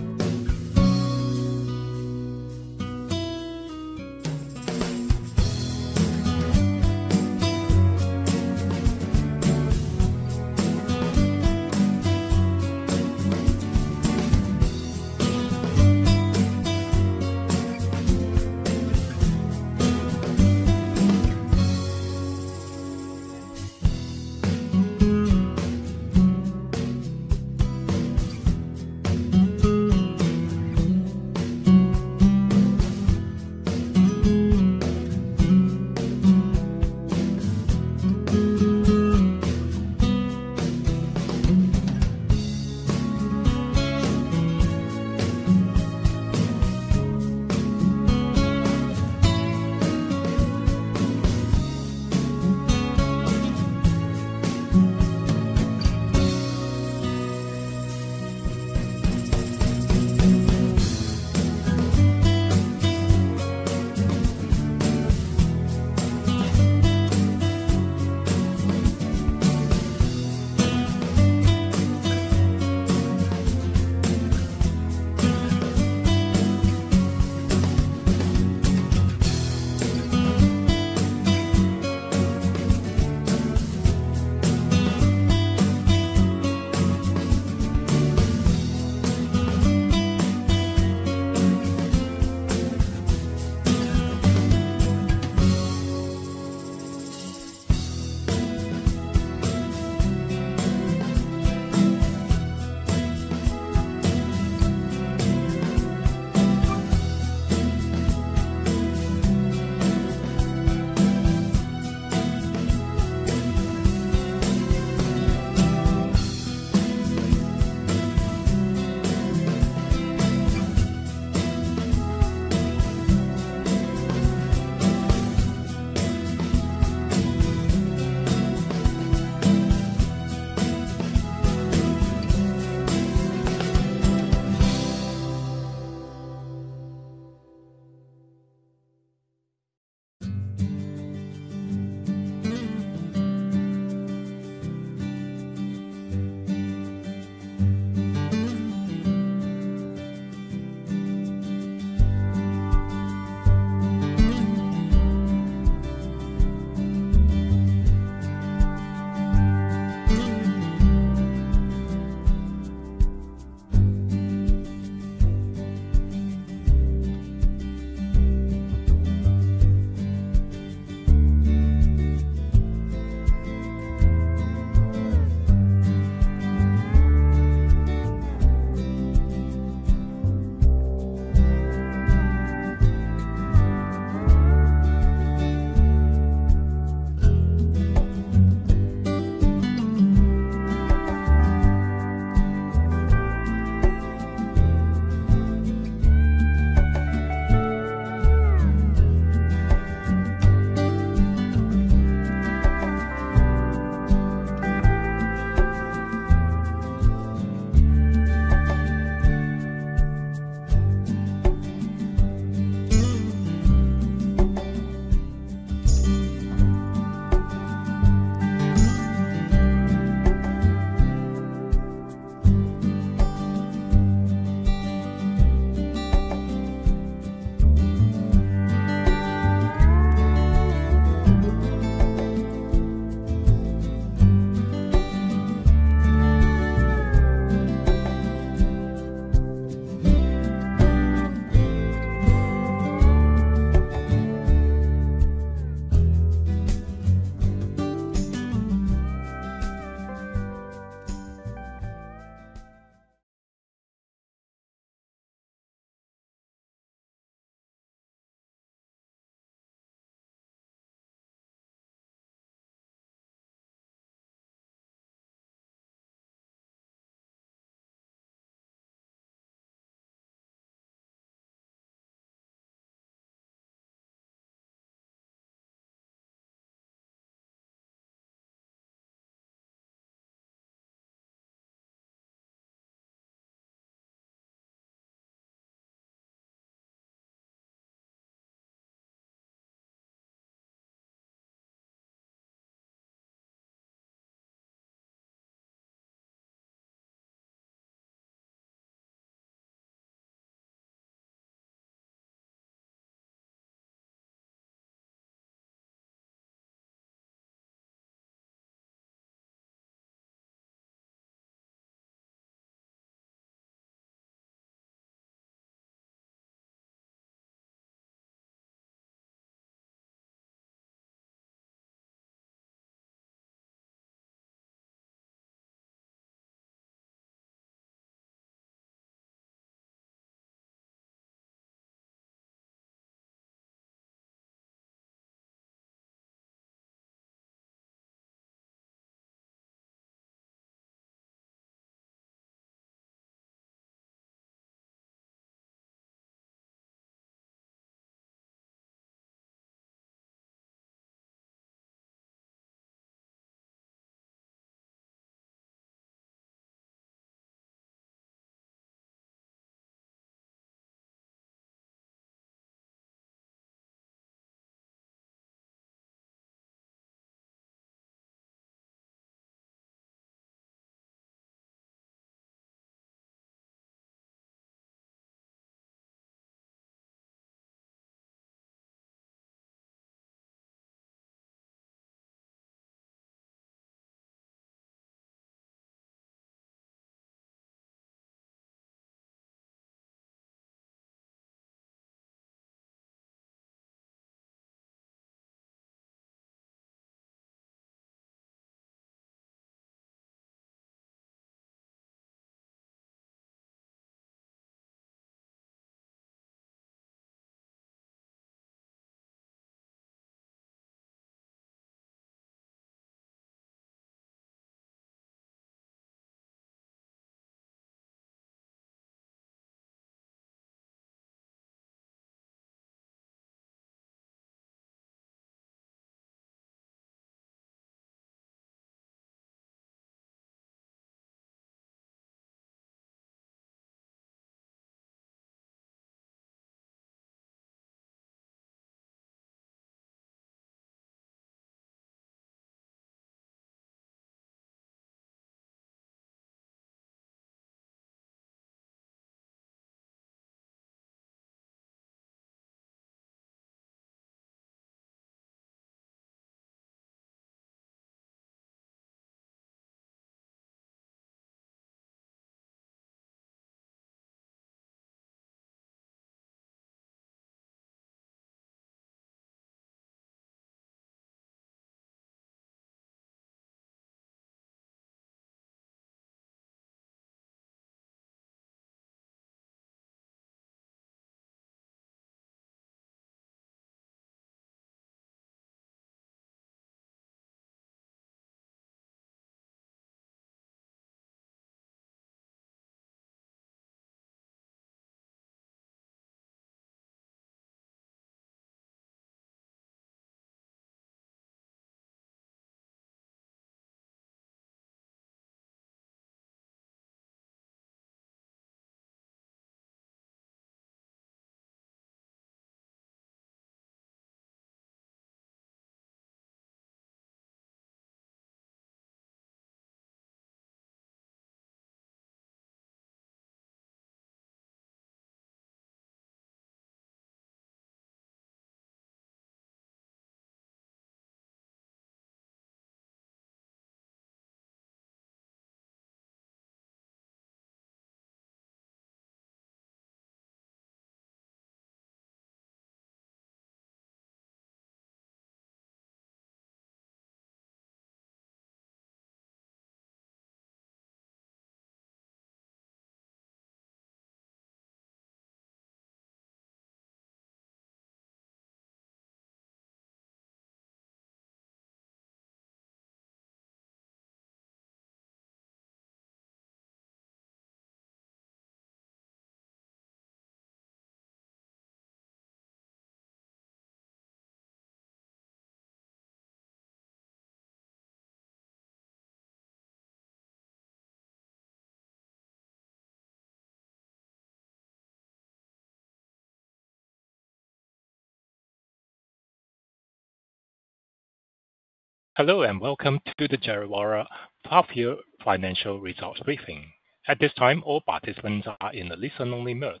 Hello and welcome to the Djerriwarrh half-year financial results briefing. At this time, all participants are in the listen-only mode.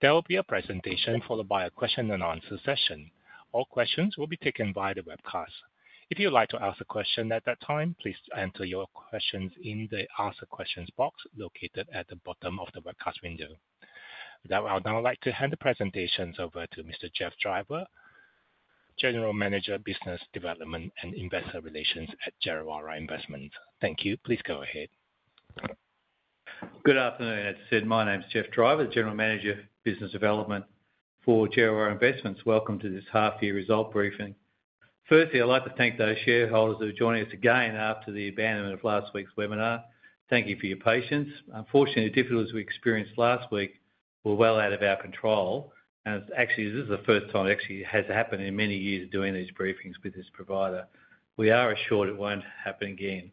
There will be a presentation followed by a question-and-answer session. All questions will be taken by the webcast. If you'd like to ask a question at that time, please enter your questions in the Ask Questions box located at the bottom of the webcast window. I would now like to hand the presentation over to Mr. Geoff Driver, General Manager, Business Development and Investor Relations at Djerriwarrh Investments. Thank you. Please go ahead. Good afternoon, everyone. My name's Geoff Driver, the General Manager, Business Development for Djerriwarrh Investments. Welcome to this half-year result briefing. Firstly, I'd like to thank those shareholders who have joined us again after the abandonment of last week's webinar. Thank you for your patience. Unfortunately, the difficulties we experienced last week were well out of our control, and actually, this is the first time it actually has happened in many years of doing these briefings with this provider. We are assured it won't happen again.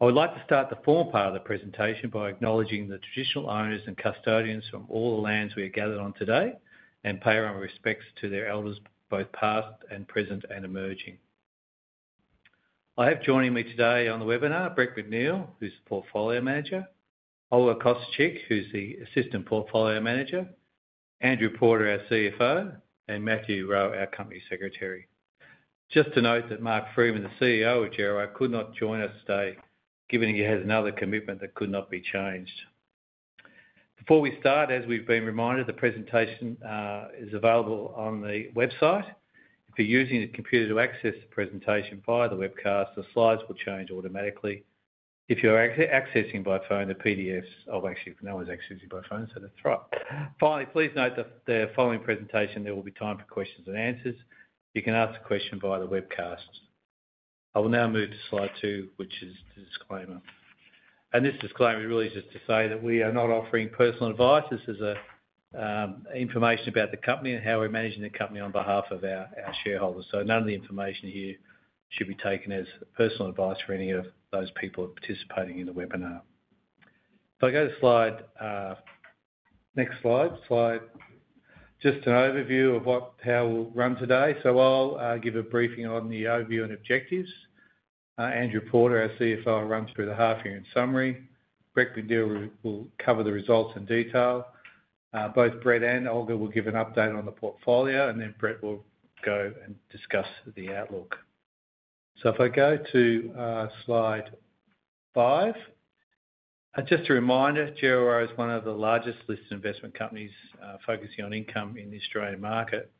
I would like to start the formal part of the presentation by acknowledging the traditional owners and custodians from all the lands we are gathered on today and pay our respects to their elders, both past and present and emerging. I have joining me today on the webinar, Brett McNeill, who's the Portfolio Manager, Olga Kosciuczyk, who's the Assistant Portfolio Manager, Andrew Porter, our CFO, and Matthew Rowe, our Company Secretary. Just to note that Mark Freeman, the CEO of Djerriwarrh, could not join us today given he has another commitment that could not be changed. Before we start, as we've been reminded, the presentation is available on the website. If you're using a computer to access the presentation via the webcast, the slides will change automatically. If you're accessing by phone, the PDFs, oh, actually, no one's accessing by phone, so that's right. Finally, please note that the following presentation, there will be time for questions and answers. You can ask a question via the webcast. I will now move to slide two, which is the disclaimer, and this disclaimer is really just to say that we are not offering personal advice. This is information about the company and how we're managing the company on behalf of our shareholders. So none of the information here should be taken as personal advice for any of those people participating in the webinar. If I go to the next slide, just an overview of how we'll run today. I'll give a briefing on the overview and objectives. Andrew Porter, our CFO, will run through the half-year summary. Brett McNeill will cover the results in detail. Both Brett and Olga will give an update on the portfolio, and then Brett will go and discuss the outlook. If I go to slide five, just a reminder, Djerriwarrh is one of the largest listed investment companies focusing on income in the Australian market.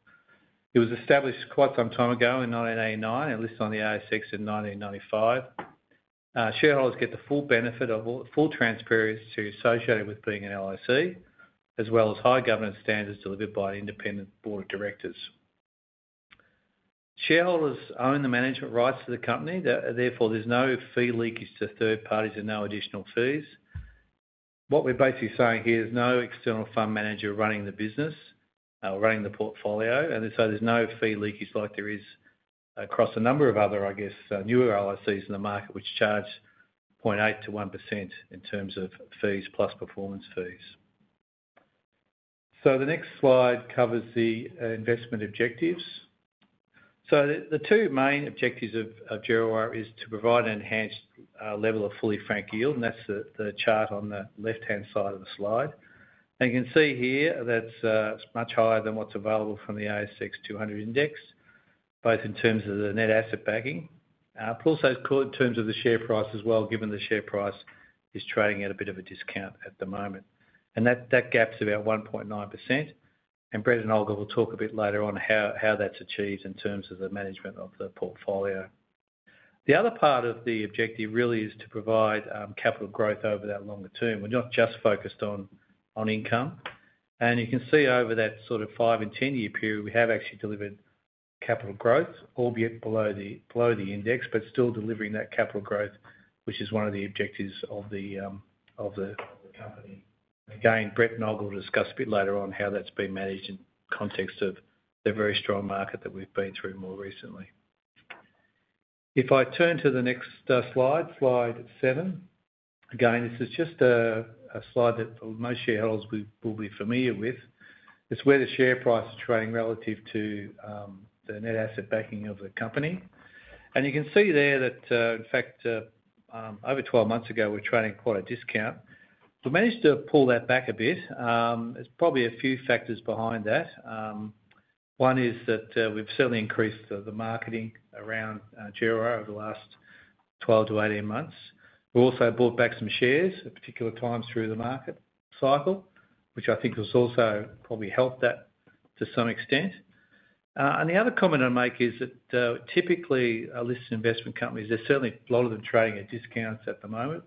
It was established quite some time ago in 1989 and listed on the ASX in 1995. Shareholders get the full benefit of all the full transparency associated with being a LIC, as well as high governance standards delivered by an independent board of directors. Shareholders own the management rights to the company. Therefore, there's no fee leakage to third parties and no additional fees. What we're basically saying here is no external fund manager running the business or running the portfolio. And so there's no fee leakage like there is across a number of other, I guess, newer LICs in the market, which charge 0.8%-1% in terms of fees plus performance fees. So the next slide covers the investment objectives. So the two main objectives of Djerriwarrh are to provide an enhanced level of fully franked yield, and that's the chart on the left-hand side of the slide. You can see here that's much higher than what's available from the ASX 200 index, both in terms of the net asset backing, but also in terms of the share price as well, given the share price is trading at a bit of a discount at the moment. That gap's about 1.9%. Brett and Olga will talk a bit later on how that's achieved in terms of the management of the portfolio. The other part of the objective really is to provide capital growth over that longer term. We're not just focused on income. You can see over that sort of five and 10-year period, we have actually delivered capital growth, albeit below the index, but still delivering that capital growth, which is one of the objectives of the company. Again, Brett and Olga will discuss a bit later on how that's been managed in the context of the very strong market that we've been through more recently. If I turn to the next slide, slide seven, again, this is just a slide that most shareholders will be familiar with. It's where the share price is trading relative to the net asset backing of the company. And you can see there that, in fact, over 12 months ago, we're trading at a discount. We managed to pull that back a bit. There's probably a few factors behind that. One is that we've certainly increased the marketing around Djerriwarrh over the last 12 to 18 months. We also bought back some shares at particular times through the market cycle, which I think has also probably helped that to some extent. The other comment I'd make is that typically, listed investment companies, there's certainly a lot of them trading at discounts at the moment,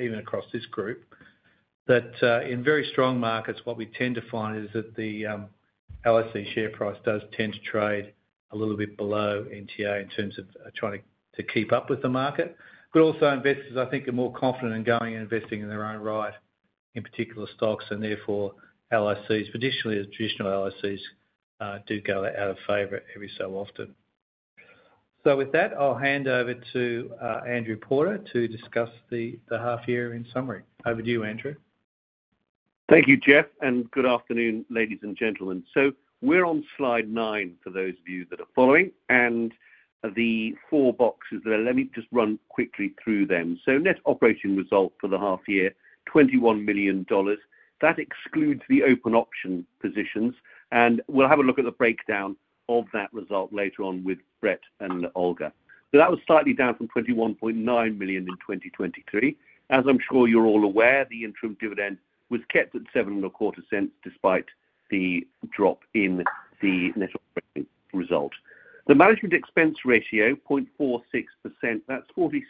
even across this group. But in very strong markets, what we tend to find is that the LIC share price does tend to trade a little bit below NTA in terms of trying to keep up with the market. But also, investors, I think, are more confident in going and investing in their own right, in particular stocks. And therefore, LICs, traditionally, traditional LICs do go out of favour every so often. So with that, I'll hand over to Andrew Porter to discuss the half-year in summary. Over to you, Andrew. Thank you, Geoff. And good afternoon, ladies and gentlemen. So we're on slide nine for those of you that are following. And the four boxes there, let me just run quickly through them. Net operating result for the half-year, 21 million dollars. That excludes the open option positions. We'll have a look at the breakdown of that result later on with Brett and Olga. That was slightly down from 21.9 million in 2023. As I'm sure you're all aware, the interim dividend was kept at 0.0725 despite the drop in the net operating result. The management expense ratio, 0.46%, that's 0.46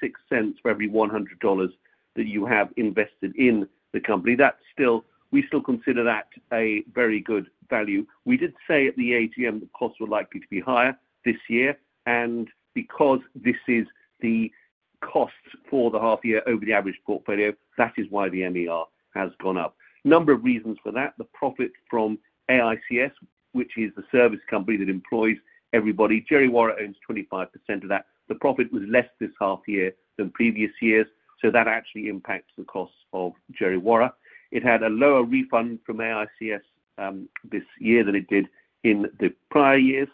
for every 100 dollars that you have invested in the company. We still consider that a very good value. We did say at the AGM the costs were likely to be higher this year. Because this is the cost for the half-year over the average portfolio, that is why the MER has gone up. A number of reasons for that. The profit from AICS, which is the service company that employs everybody. Djerriwarrh owns 25% of that. The profit was less this half-year than previous years. So that actually impacts the costs of Djerriwarrh. It had a lower refund from AICS this year than it did in the prior years.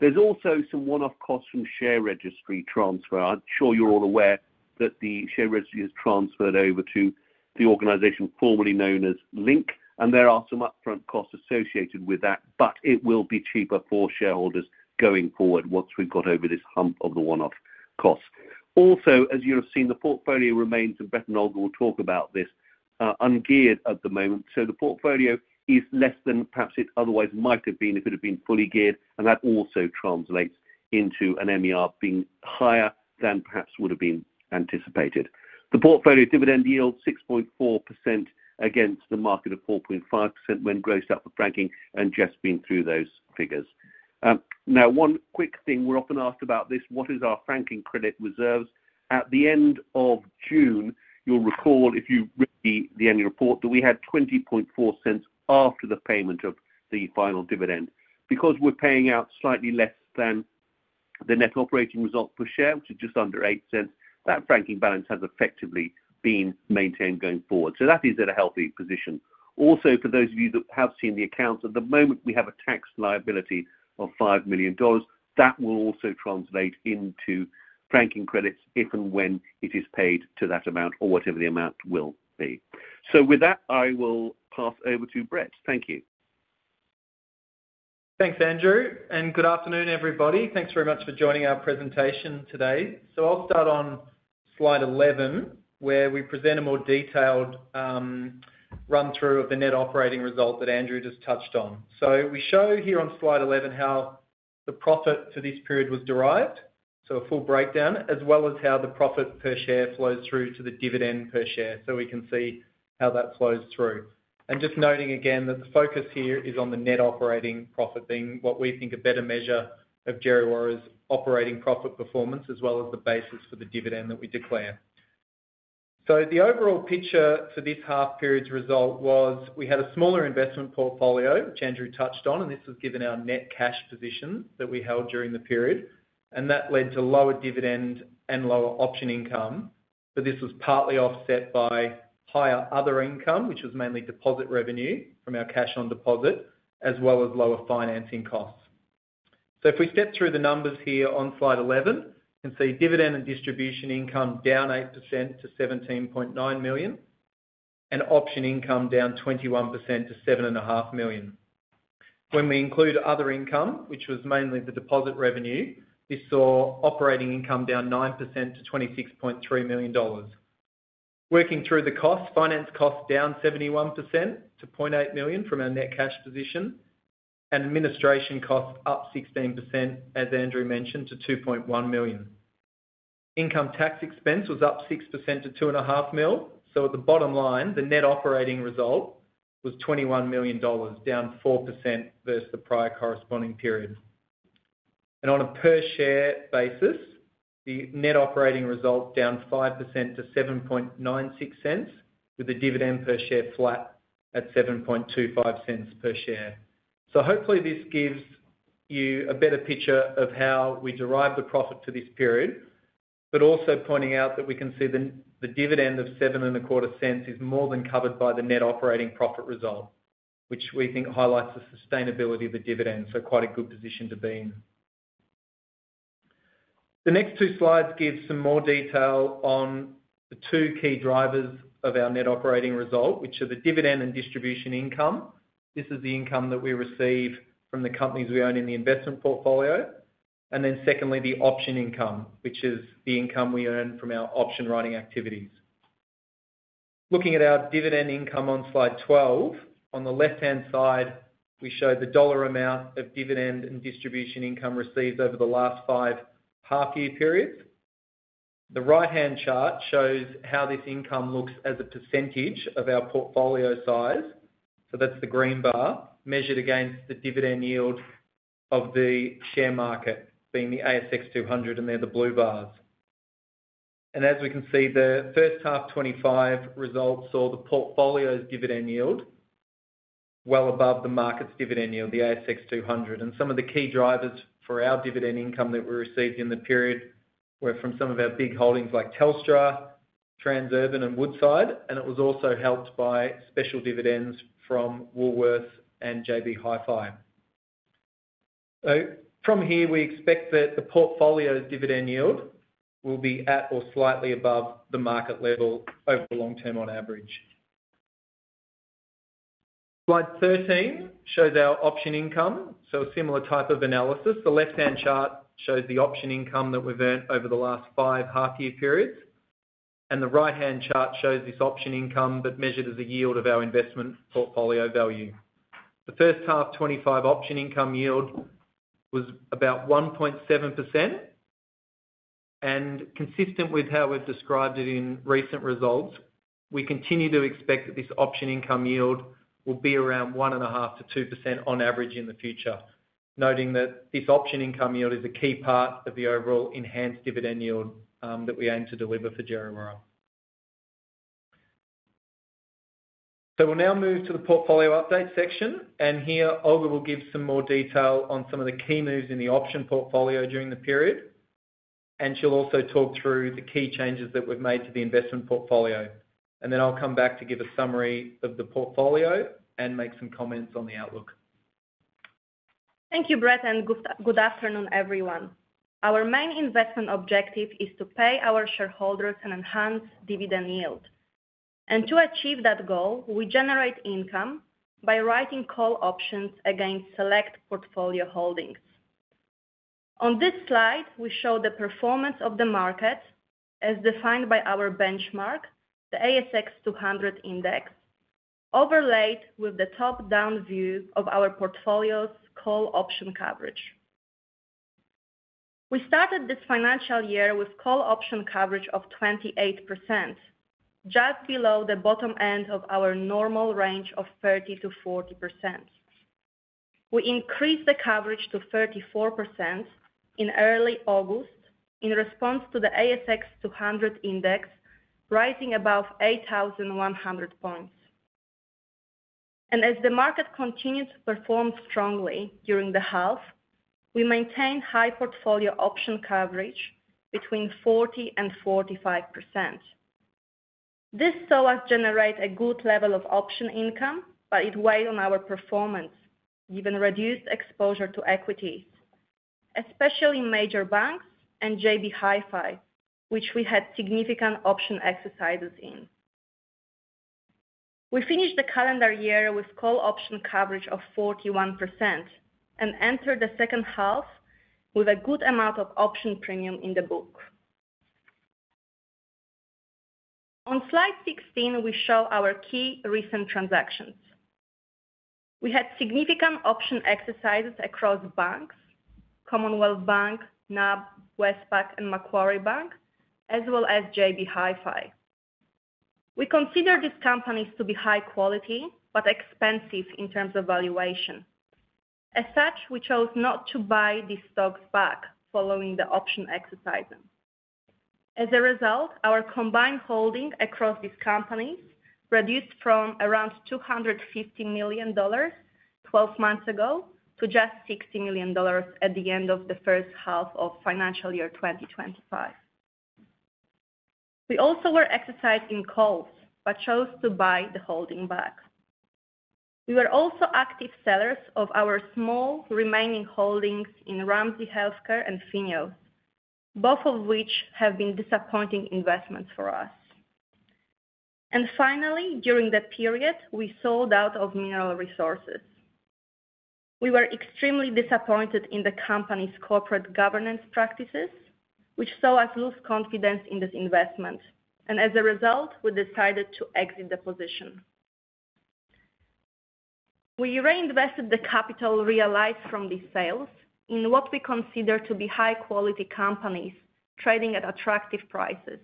There's also some one-off costs from share registry transfer. I'm sure you're all aware that the share registry is transferred over to the organisation formerly known as Link. And there are some upfront costs associated with that, but it will be cheaper for shareholders going forward once we've got over this hump of the one-off costs. Also, as you have seen, the portfolio remains ungeared at the moment, and Brett and Olga will talk about this. So the portfolio is less than perhaps it otherwise might have been if it had been fully geared. And that also translates into an MER being higher than perhaps would have been anticipated. The portfolio dividend yield, 6.4% against the market of 4.5% when grossed up for franking, and just been through those figures. Now, one quick thing. We're often asked about this. What is our franking credits reserve? At the end of June, you'll recall if you read the annual report that we had 0.204 after the payment of the final dividend. Because we're paying out slightly less than the net operating result per share, which is just under 0.08, that franking balance has effectively been maintained going forward. So that is at a healthy position. Also, for those of you that have seen the accounts, at the moment, we have a tax liability of 5 million dollars. That will also translate into franking credits if and when it is paid to that amount or whatever the amount will be. So with that, I will pass over to Brett. Thank you. Thanks, Andrew. And good afternoon, everybody. Thanks very much for joining our presentation today. So I'll start on slide 11, where we present a more detailed run-through of the net operating result that Andrew just touched on. So we show here on slide 11 how the profit for this period was derived, so a full breakdown, as well as how the profit per share flows through to the dividend per share. So we can see how that flows through. And just noting again that the focus here is on the net operating profit being what we think a better measure of Djerriwarrh's operating profit performance as well as the basis for the dividend that we declare. So the overall picture for this half-period's result was we had a smaller investment portfolio, which Andrew touched on, and this was given our net cash positions that we held during the period. That led to lower dividend and lower option income. This was partly offset by higher other income, which was mainly deposit revenue from our cash on deposit, as well as lower financing costs. If we step through the numbers here on slide 11, you can see dividend and distribution income down 8% to 17.9 million, and option income down 21% to 7.5 million. When we include other income, which was mainly the deposit revenue, we saw operating income down 9% to 26.3 million dollars. Working through the costs, finance costs down 71% to 0.8 million from our net cash position, and administration costs up 16%, as Andrew mentioned, to 2.1 million. Income tax expense was up 6% to 2.5 million. At the bottom line, the net operating result was 21 million dollars, down 4% versus the prior corresponding period. On a per-share basis, the net operating result down 5% to 0.0796, with the dividend per share flat at 0.0725 per share. Hopefully, this gives you a better picture of how we derived the profit for this period, but also pointing out that we can see the dividend of 0.0725 is more than covered by the net operating profit result, which we think highlights the sustainability of the dividend. Quite a good position to be in. The next two slides give some more detail on the two key drivers of our net operating result, which are the dividend and distribution income. This is the income that we receive from the companies we own in the investment portfolio. And then secondly, the option income, which is the income we earn from our option writing activities. Looking at our dividend income on slide 12, on the left-hand side, we show the dollar amount of dividend and distribution income received over the last five half-year periods. The right-hand chart shows how this income looks as a percentage of our portfolio size. So that's the green bar measured against the dividend yield of the share market, being the ASX 200, and they're the blue bars. As we can see, the first half 2025 result saw the portfolio's dividend yield well above the market's dividend yield, the ASX 200. Some of the key drivers for our dividend income that we received in the period were from some of our big holdings like Telstra, Transurban, and Woodside. It was also helped by special dividends from Woolworths and JB Hi-Fi. From here, we expect that the portfolio's dividend yield will be at or slightly above the market level over the long term on average. Slide 13 shows our option income. A similar type of analysis. The left-hand chart shows the option income that we've earned over the last five half-year periods. The right-hand chart shows this option income but measured as a yield of our investment portfolio value. The first half 2025 option income yield was about 1.7%. Consistent with how we've described it in recent results, we continue to expect that this option income yield will be around 1.5%-2% on average in the future, noting that this option income yield is a key part of the overall enhanced dividend yield that we aim to deliver for Djerriwarrh. We'll now move to the portfolio update section. And here, Olga will give some more detail on some of the key moves in the option portfolio during the period. And she'll also talk through the key changes that we've made to the investment portfolio. And then I'll come back to give a summary of the portfolio and make some comments on the outlook. Thank you, Brett, and good afternoon, everyone. Our main investment objective is to pay our shareholders an enhanced dividend yield. And to achieve that goal, we generate income by writing call options against select portfolio holdings. On this slide, we show the performance of the market as defined by our benchmark, the ASX 200 index, overlaid with the top-down view of our portfolio's call option coverage. We started this financial year with call option coverage of 28%, just below the bottom end of our normal range of 30%-40%. We increased the coverage to 34% in early August in response to the ASX 200 index rising above 8,100 points, and as the market continued to perform strongly during the half, we maintained high portfolio option coverage between 40 and 45%. This saw us generate a good level of option income, but it weighed on our performance, given reduced exposure to equities, especially major banks and JB Hi-Fi, which we had significant option exercises in. We finished the calendar year with call option coverage of 41% and entered the second half with a good amount of option premium in the book. On slide 16, we show our key recent transactions. We had significant option exercises across banks: Commonwealth Bank, NAB, Westpac, and Macquarie Bank, as well as JB Hi-Fi. We consider these companies to be high quality but expensive in terms of valuation. As such, we chose not to buy these stocks back following the option exercises. As a result, our combined holding across these companies reduced from around 250 million dollars 12 months ago to just 60 million dollars at the end of the first half of financial year 2025. We also were exercising calls but chose to buy the holding back. We were also active sellers of our small remaining holdings in Ramsay Health Care and FINEOS, both of which have been disappointing investments for us. And finally, during the period, we sold out of Mineral Resources. We were extremely disappointed in the company's corporate governance practices, which saw us lose confidence in this investment. And as a result, we decided to exit the position. We reinvested the capital realized from these sales in what we consider to be high-quality companies trading at attractive prices.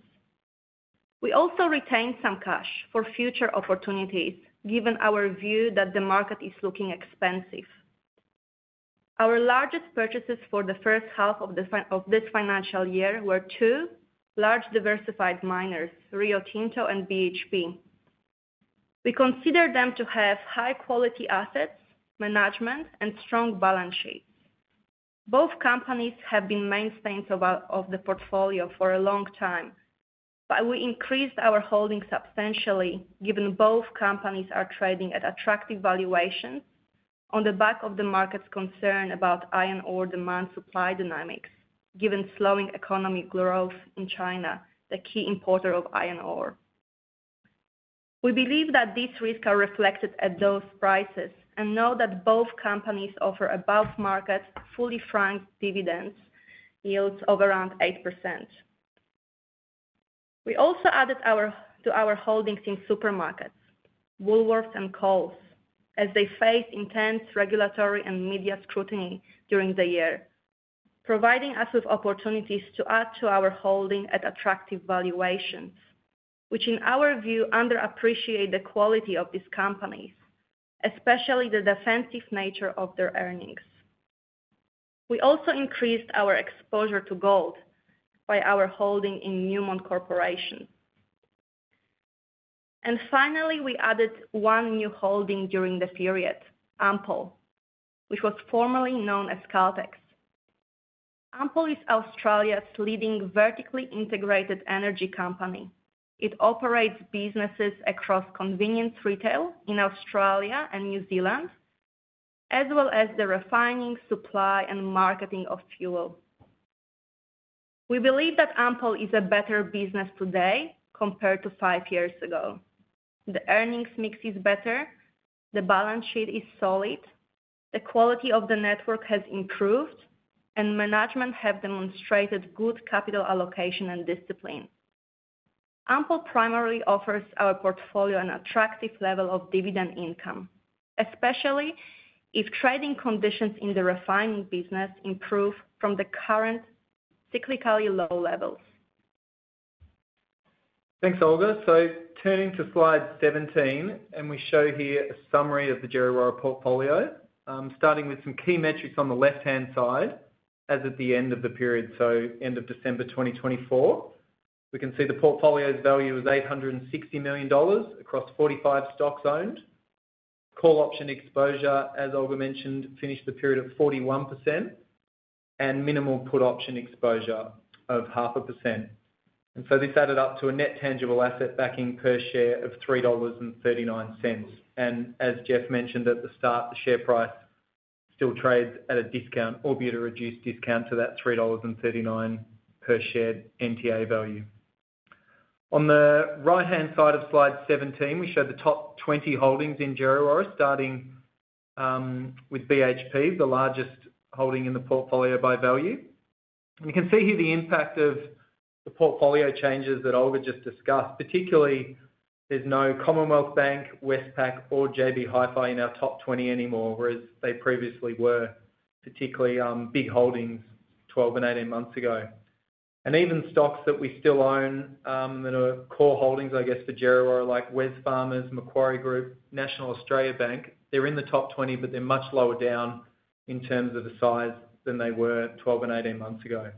We also retained some cash for future opportunities, given our view that the market is looking expensive. Our largest purchases for the first half of this financial year were two large diversified miners, Rio Tinto and BHP. We consider them to have high-quality assets, management, and strong balance sheets. Both companies have been mainstays of the portfolio for a long time, but we increased our holding substantially given both companies are trading at attractive valuations on the back of the market's concern about iron ore demand-supply dynamics, given slowing economic growth in China, the key importer of iron ore. We believe that these risks are reflected at those prices and know that both companies offer above-market fully franked dividend yields of around 8%. We also added to our holdings in supermarkets, Woolworths, and Coles, as they faced intense regulatory and media scrutiny during the year, providing us with opportunities to add to our holding at attractive valuations, which in our view underappreciate the quality of these companies, especially the defensive nature of their earnings. We also increased our exposure to gold by our holding in Newmont Corporation, and finally, we added one new holding during the period, Ampol, which was formerly known as Caltex. Ampol is Australia's leading vertically integrated energy company. It operates businesses across convenience retail in Australia and New Zealand, as well as the refining, supply, and marketing of fuel. We believe that Ampol is a better business today compared to five years ago. The earnings mix is better, the balance sheet is solid, the quality of the network has improved, and management have demonstrated good capital allocation and discipline. Ampol primarily offers our portfolio an attractive level of dividend income, especially if trading conditions in the refining business improve from the current cyclically low levels. Thanks, Olga. So turning to slide 17, and we show here a summary of the Djerriwarrh portfolio, starting with some key metrics on the left-hand side as at the end of the period, so end of December 2024. We can see the portfolio's value is 860 million dollars across 45 stocks owned. Call option exposure, as Olga mentioned, finished the period at 41%, and minimal put option exposure of 0.5%. And so this added up to a net tangible asset backing per share of 3.39 dollars. And as Geoff mentioned at the start, the share price still trades at a discount, albeit a reduced discount to that 3.39 dollars per share NTA value. On the right-hand side of slide 17, we show the top 20 holdings in Djerriwarrh, starting with BHP, the largest holding in the portfolio by value. You can see here the impact of the portfolio changes that Olga just discussed, particularly there's no Commonwealth Bank, Westpac, or JB Hi-Fi in our top 20 anymore, whereas they previously were particularly big holdings 12 and 18 months ago, and even stocks that we still own that are core holdings, I guess, for Djerriwarrh, like Wesfarmers, Macquarie Group, National Australia Bank, they're in the top 20, but they're much lower down in terms of the size than they were 12 and 18 months ago.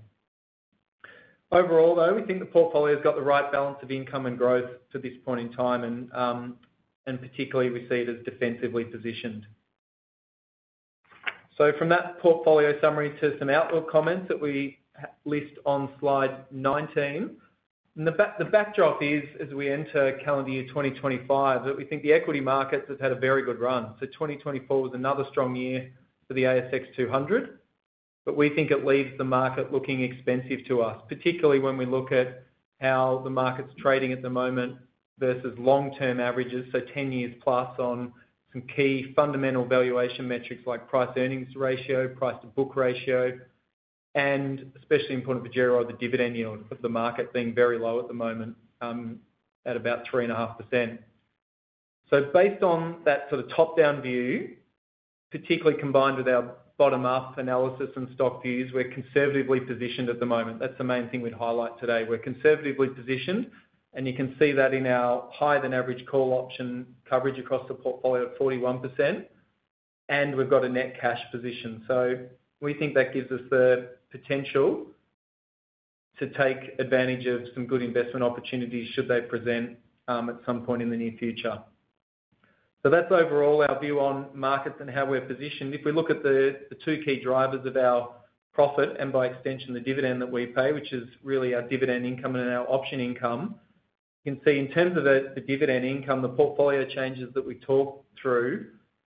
Overall, though, we think the portfolio has got the right balance of income and growth to this point in time, and particularly we see it as defensively positioned. From that portfolio summary to some outlook comments that we list on slide 19, the backdrop is, as we enter calendar year 2025, that we think the equity markets have had a very good run. 2024 was another strong year for the ASX 200, but we think it leaves the market looking expensive to us, particularly when we look at how the market's trading at the moment versus long-term averages, so 10 years plus on some key fundamental valuation metrics like price-earnings ratio, price-to-book ratio, and especially important for Djerriwarrh, the dividend yield of the market being very low at the moment at about 3.5%. Based on that sort of top-down view, particularly combined with our bottom-up analysis and stock views, we're conservatively positioned at the moment. That's the main thing we'd highlight today. We're conservatively positioned, and you can see that in our higher-than-average call option coverage across the portfolio at 41%, and we've got a net cash position, so we think that gives us the potential to take advantage of some good investment opportunities should they present at some point in the near future, so that's overall our view on markets and how we're positioned. If we look at the two key drivers of our profit and by extension the dividend that we pay, which is really our dividend income and our option income, you can see in terms of the dividend income, the portfolio changes that we talked through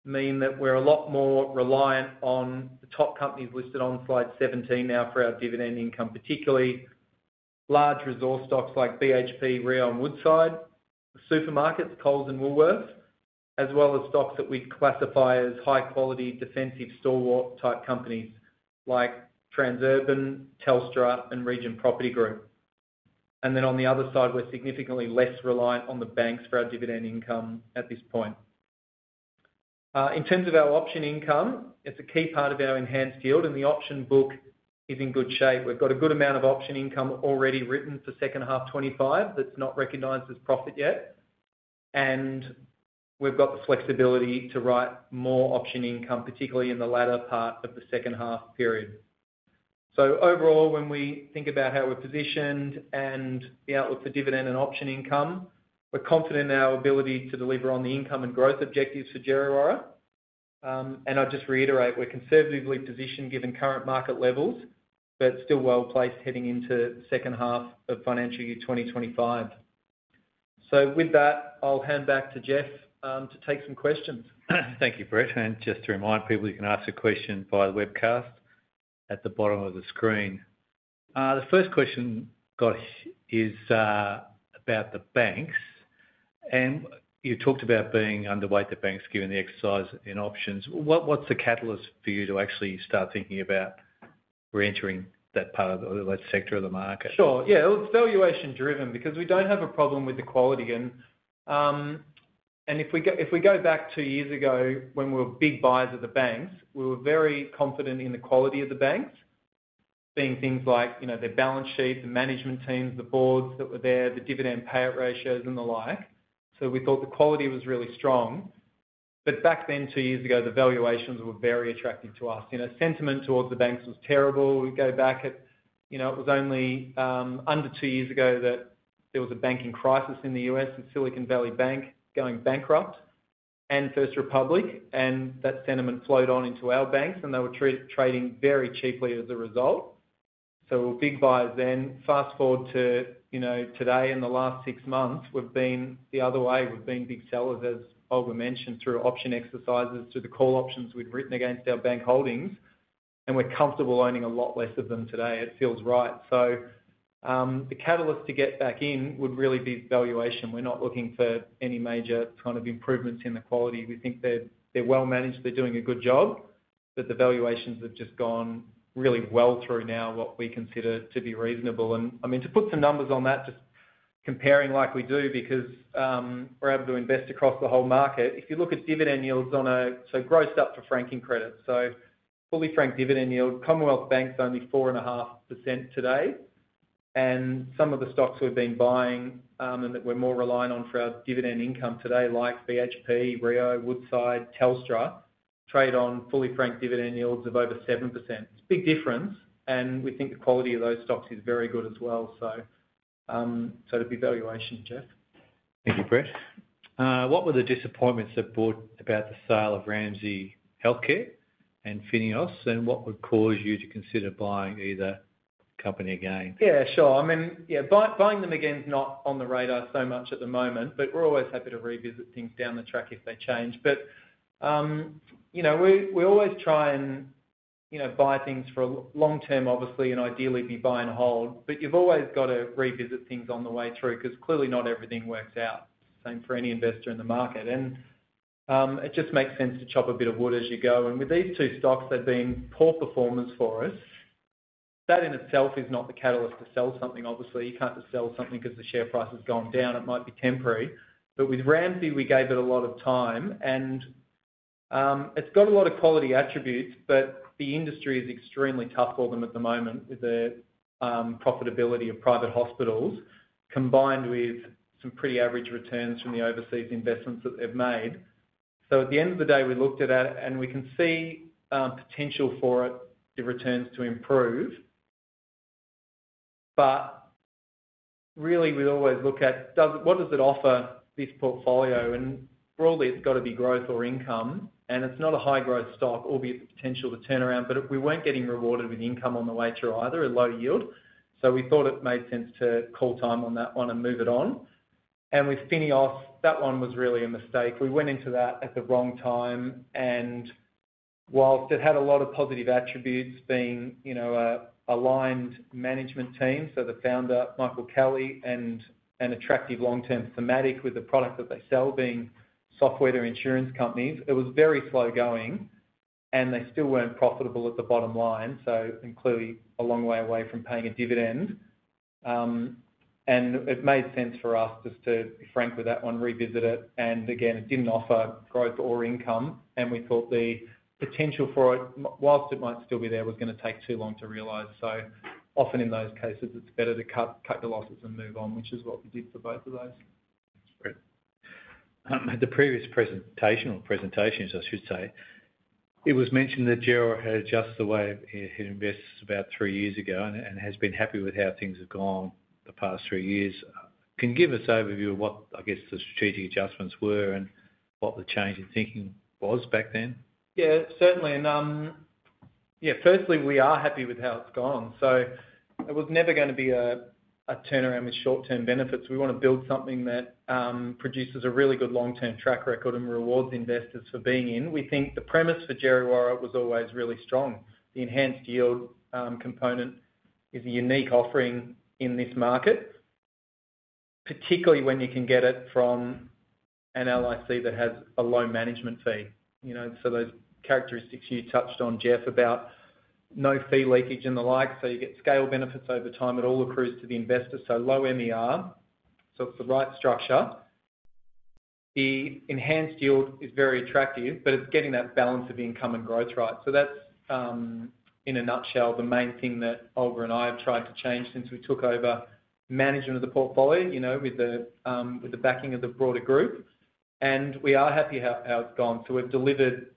mean that we're a lot more reliant on the top companies listed on slide 17 now for our dividend income, particularly large resource stocks like BHP, Rio, and Woodside, supermarkets, Coles, and Woolworths, as well as stocks that we classify as high-quality defensive store-type companies like Transurban, Telstra, and Region Property Group. And then on the other side, we're significantly less reliant on the banks for our dividend income at this point. In terms of our option income, it's a key part of our enhanced yield, and the option book is in good shape. We've got a good amount of option income already written for second half 2025 that's not recognized as profit yet, and we've got the flexibility to write more option income, particularly in the latter part of the second half period. So overall, when we think about how we're positioned and the outlook for dividend and option income, we're confident in our ability to deliver on the income and growth objectives for Djerriwarrh. And I'll just reiterate, we're conservatively positioned given current market levels, but still well placed heading into the second half of financial year 2025. So with that, I'll hand back to Geoff to take some questions. Thank you, Brett. And just to remind people, you can ask a question via the webcast at the bottom of the screen. The first question I've got is about the banks, and you talked about being underweight the banks given the exercise in options. What's the catalyst for you to actually start thinking about re-entering that part of that sector of the market? Sure. Yeah. It's valuation-driven because we don't have a problem with the quality. And if we go back two years ago when we were big buyers of the banks, we were very confident in the quality of the banks, being things like their balance sheet, the management teams, the boards that were there, the dividend payout ratios, and the like. So we thought the quality was really strong. But back then, two years ago, the valuations were very attractive to us. Sentiment towards the banks was terrible. We go back, it was only under two years ago that there was a banking crisis in the U.S. with Silicon Valley Bank going bankrupt and First Republic, and that sentiment flowed on into our banks, and they were trading very cheaply as a result. So we were big buyers then. Fast forward to today, in the last six months, we've been the other way. We've been big sellers, as Olga mentioned, through option exercises, through the call options we'd written against our bank holdings, and we're comfortable owning a lot less of them today. It feels right. So the catalyst to get back in would really be valuation. We're not looking for any major kind of improvements in the quality. We think they're well managed. They're doing a good job, but the valuations have just gone really well too now, what we consider to be reasonable. I mean, to put some numbers on that, just comparing like we do because we're able to invest across the whole market. If you look at dividend yields on a so grossed up for franking credit. So fully franked dividend yield, Commonwealth Bank's only 4.5% today, and some of the stocks we've been buying and that we're more reliant on for our dividend income today, like BHP, Rio, Woodside, Telstra, trade on fully franked dividend yields of over 7%. It's a big difference, and we think the quality of those stocks is very good as well. So it'd be valuation, Geoff. Thank you, Brett. What were the disappointments about the sale of Ramsay Health Care and FINEOS, and what would cause you to consider buying either company again? Yeah, sure. I mean, yeah, buying them again's not on the radar so much at the moment, but we're always happy to revisit things down the track if they change. But we always try and buy things for long-term, obviously, and ideally be buy and hold, but you've always got to revisit things on the way through because clearly not everything works out, same for any investor in the market. And it just makes sense to chop a bit of wood as you go. And with these two stocks, they've been poor performers for us. That in itself is not the catalyst to sell something, obviously. You can't just sell something because the share price has gone down. It might be temporary. But with Ramsay, we gave it a lot of time, and it's got a lot of quality attributes, but the industry is extremely tough for them at the moment with the profitability of private hospitals combined with some pretty average returns from the overseas investments that they've made. So at the end of the day, we looked at that, and we can see potential for it, the returns to improve. But really, we always look at what does it offer this portfolio, and broadly, it's got to be growth or income, and it's not a high-growth stock, albeit the potential to turn around, but we weren't getting rewarded with income on the way through either, a low yield. So we thought it made sense to call time on that one and move it on. And with FINEOS, that one was really a mistake. We went into that at the wrong time, and whilst it had a lot of positive attributes, being an aligned management team, so the founder, Michael Kelly, and an attractive long-term thematic with the product that they sell being software to insurance companies, it was very slow going, and they still weren't profitable at the bottom line, and clearly a long way away from paying a dividend. And it made sense for us just to, frankly, that one, revisit it. And again, it didn't offer growth or income, and we thought the potential for it, whilst it might still be there, was going to take too long to realize. So often in those cases, it's better to cut the losses and move on, which is what we did for both of those. That's great. At the previous presentation, or presentations, I should say, it was mentioned that Djerriwarrh had adjusted the way he invests about three years ago and has been happy with how things have gone the past three years. Can you give us an overview of what, I guess, the strategic adjustments were and what the change in thinking was back then? Yeah, certainly. And yeah, firstly, we are happy with how it's gone. So it was never going to be a turnaround with short-term benefits. We want to build something that produces a really good long-term track record and rewards investors for being in. We think the premise for Djerriwarrh was always really strong. The enhanced yield component is a unique offering in this market, particularly when you can get it from an LIC that has a low management fee. So those characteristics you touched on, Geoff, about no fee leakage and the like, so you get scale benefits over time. It all accrues to the investor, so low MER, so it's the right structure. The enhanced yield is very attractive, but it's getting that balance of income and growth right. So that's, in a nutshell, the main thing that Olga and I have tried to change since we took over management of the portfolio with the backing of the broader group. And we are happy how it's gone. So we've delivered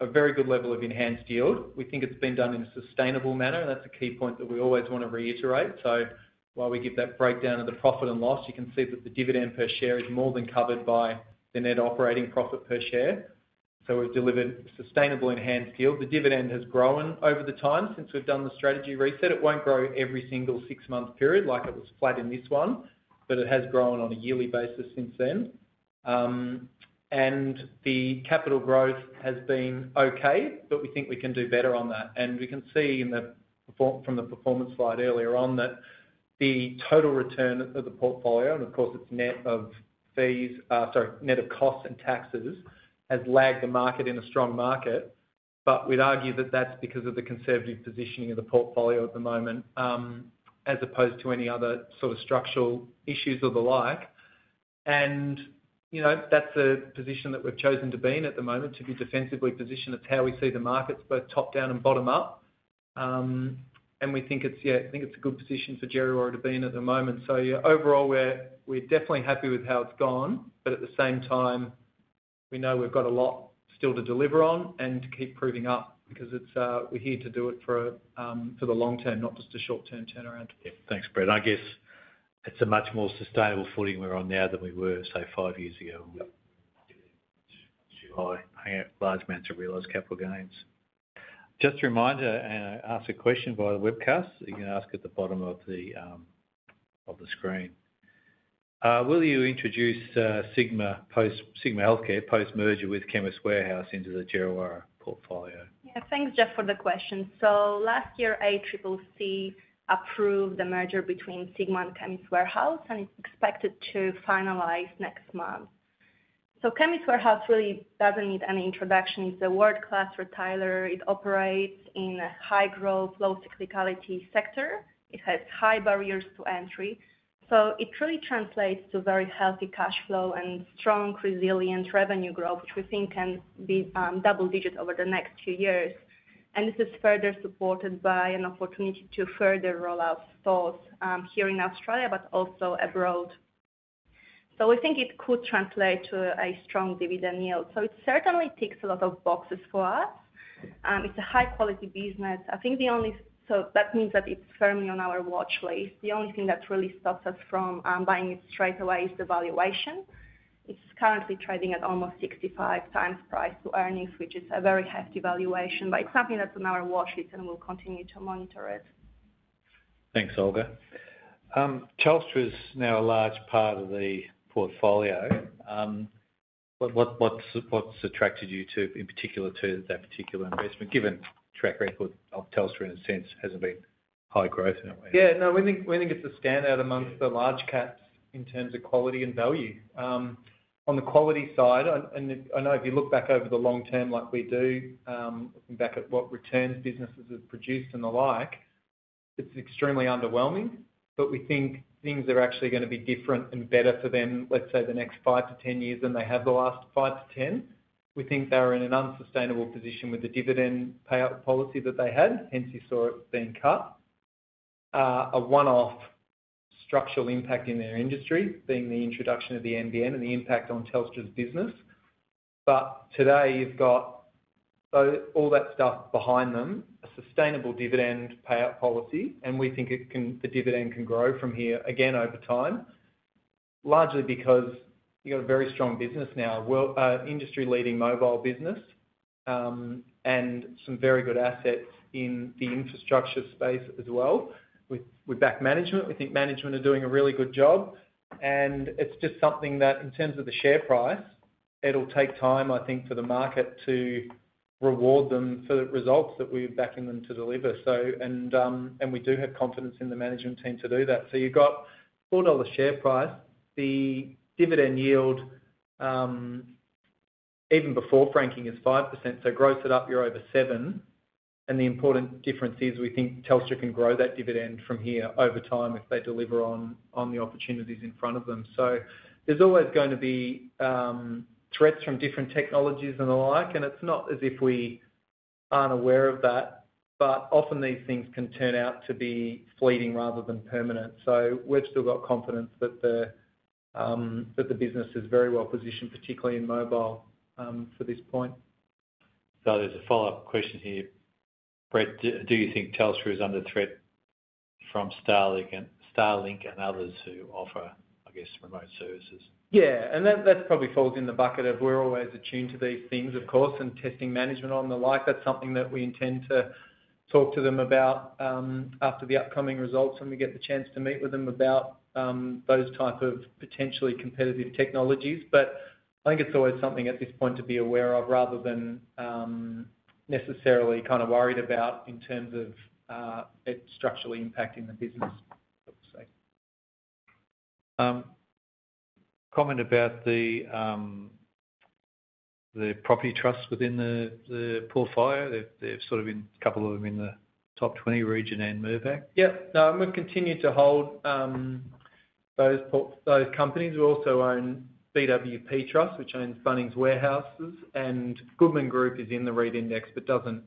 a very good level of enhanced yield. We think it's been done in a sustainable manner, and that's a key point that we always want to reiterate. So while we give that breakdown of the profit and loss, you can see that the dividend per share is more than covered by the net operating profit per share. We've delivered sustainable enhanced yield. The dividend has grown over the time since we've done the strategy reset. It won't grow every single six-month period like it was flat in this one, but it has grown on a yearly basis since then. The capital growth has been okay, but we think we can do better on that. We can see from the performance slide earlier on that the total return of the portfolio, and of course, it's net of fees sorry, net of costs and taxes, has lagged the market in a strong market, but we'd argue that that's because of the conservative positioning of the portfolio at the moment as opposed to any other sort of structural issues or the like. That's the position that we've chosen to be in at the moment, to be defensively positioned. It's how we see the markets, both top-down and bottom-up. And we think it's a good position for Djerriwarrh to be in at the moment. So yeah, overall, we're definitely happy with how it's gone, but at the same time, we know we've got a lot still to deliver on and to keep proving up because we're here to do it for the long term, not just a short-term turnaround. Yeah. Thanks, Brett. I guess it's a much more sustainable footing we're on now than we were, say, five years ago. Yeah. Hang out large amounts of realized capital gains. Just a reminder, and I asked a question via the webcast. You can ask at the bottom of the screen. Will you introduce Sigma Healthcare post-merger with Chemist Warehouse into the Djerriwarrh portfolio? Yeah. Thanks, Geoff, for the question. Last year, ACCC approved the merger between Sigma and Chemist Warehouse, and it's expected to finalize next month. Chemist Warehouse really doesn't need any introduction. It's a world-class retailer. It operates in a high-growth, low-cyclicality sector. It has high barriers to entry. It truly translates to very healthy cash flow and strong, resilient revenue growth, which we think can be double-digit over the next few years. This is further supported by an opportunity to further roll out stores here in Australia but also abroad. We think it could translate to a strong dividend yield. It certainly ticks a lot of boxes for us. It's a high-quality business. I think the only, so that means that it's firmly on our watchlist. The only thing that really stops us from buying it straight away is the valuation. It's currently trading at almost 65 times price to earnings, which is a very hefty valuation, but it's something that's on our watchlist, and we'll continue to monitor it. Thanks, Olga. Telstra is now a large part of the portfolio. What's attracted you in particular to that particular investment, given track record of Telstra in a sense hasn't been high growth in a way? Yeah. No, we think it's a standout amongst the large caps in terms of quality and value. On the quality side, and I know if you look back over the long term like we do, looking back at what returns businesses have produced and the like, it's extremely underwhelming, but we think things are actually going to be different and better for them, let's say, the next five to 10 years than they have the last five to 10. We think they're in an unsustainable position with the dividend payout policy that they had, hence you saw it being cut, a one-off structural impact in their industry, being the introduction of the NBN and the impact on Telstra's business. But today, you've got all that stuff behind them, a sustainable dividend payout policy, and we think the dividend can grow from here again over time, largely because you've got a very strong business now, industry-leading mobile business, and some very good assets in the infrastructure space as well with their management. We think management are doing a really good job, and it's just something that, in terms of the share price, it'll take time, I think, for the market to reward them for the results that we're backing them to deliver. And we do have confidence in the management team to do that. So you've got $4 share price. The dividend yield, even before franking, is 5%. So gross it up, you're over 7%. And the important difference is we think Telstra can grow that dividend from here over time if they deliver on the opportunities in front of them. So there's always going to be threats from different technologies and the like, and it's not as if we aren't aware of that, but often these things can turn out to be fleeting rather than permanent. So we've still got confidence that the business is very well positioned, particularly in mobile for this point. So there's a follow-up question here. Brett, do you think Telstra is under threat from Starlink and others who offer, I guess, remote services? Yeah. And that probably falls in the bucket of we're always attuned to these things, of course, and testing management on the like. That's something that we intend to talk to them about after the upcoming results when we get the chance to meet with them about those types of potentially competitive technologies. But I think it's always something at this point to be aware of rather than necessarily kind of worried about in terms of it structurally impacting the business, I would say. Comment about the property trusts within the portfolio. There've sort of been a couple of them in the top 20 region and Mirvac. Yeah. No, and we've continued to hold those companies. We also own BWP Trust, which owns Bunnings Warehouses, and Goodman Group is in the REIT index but doesn't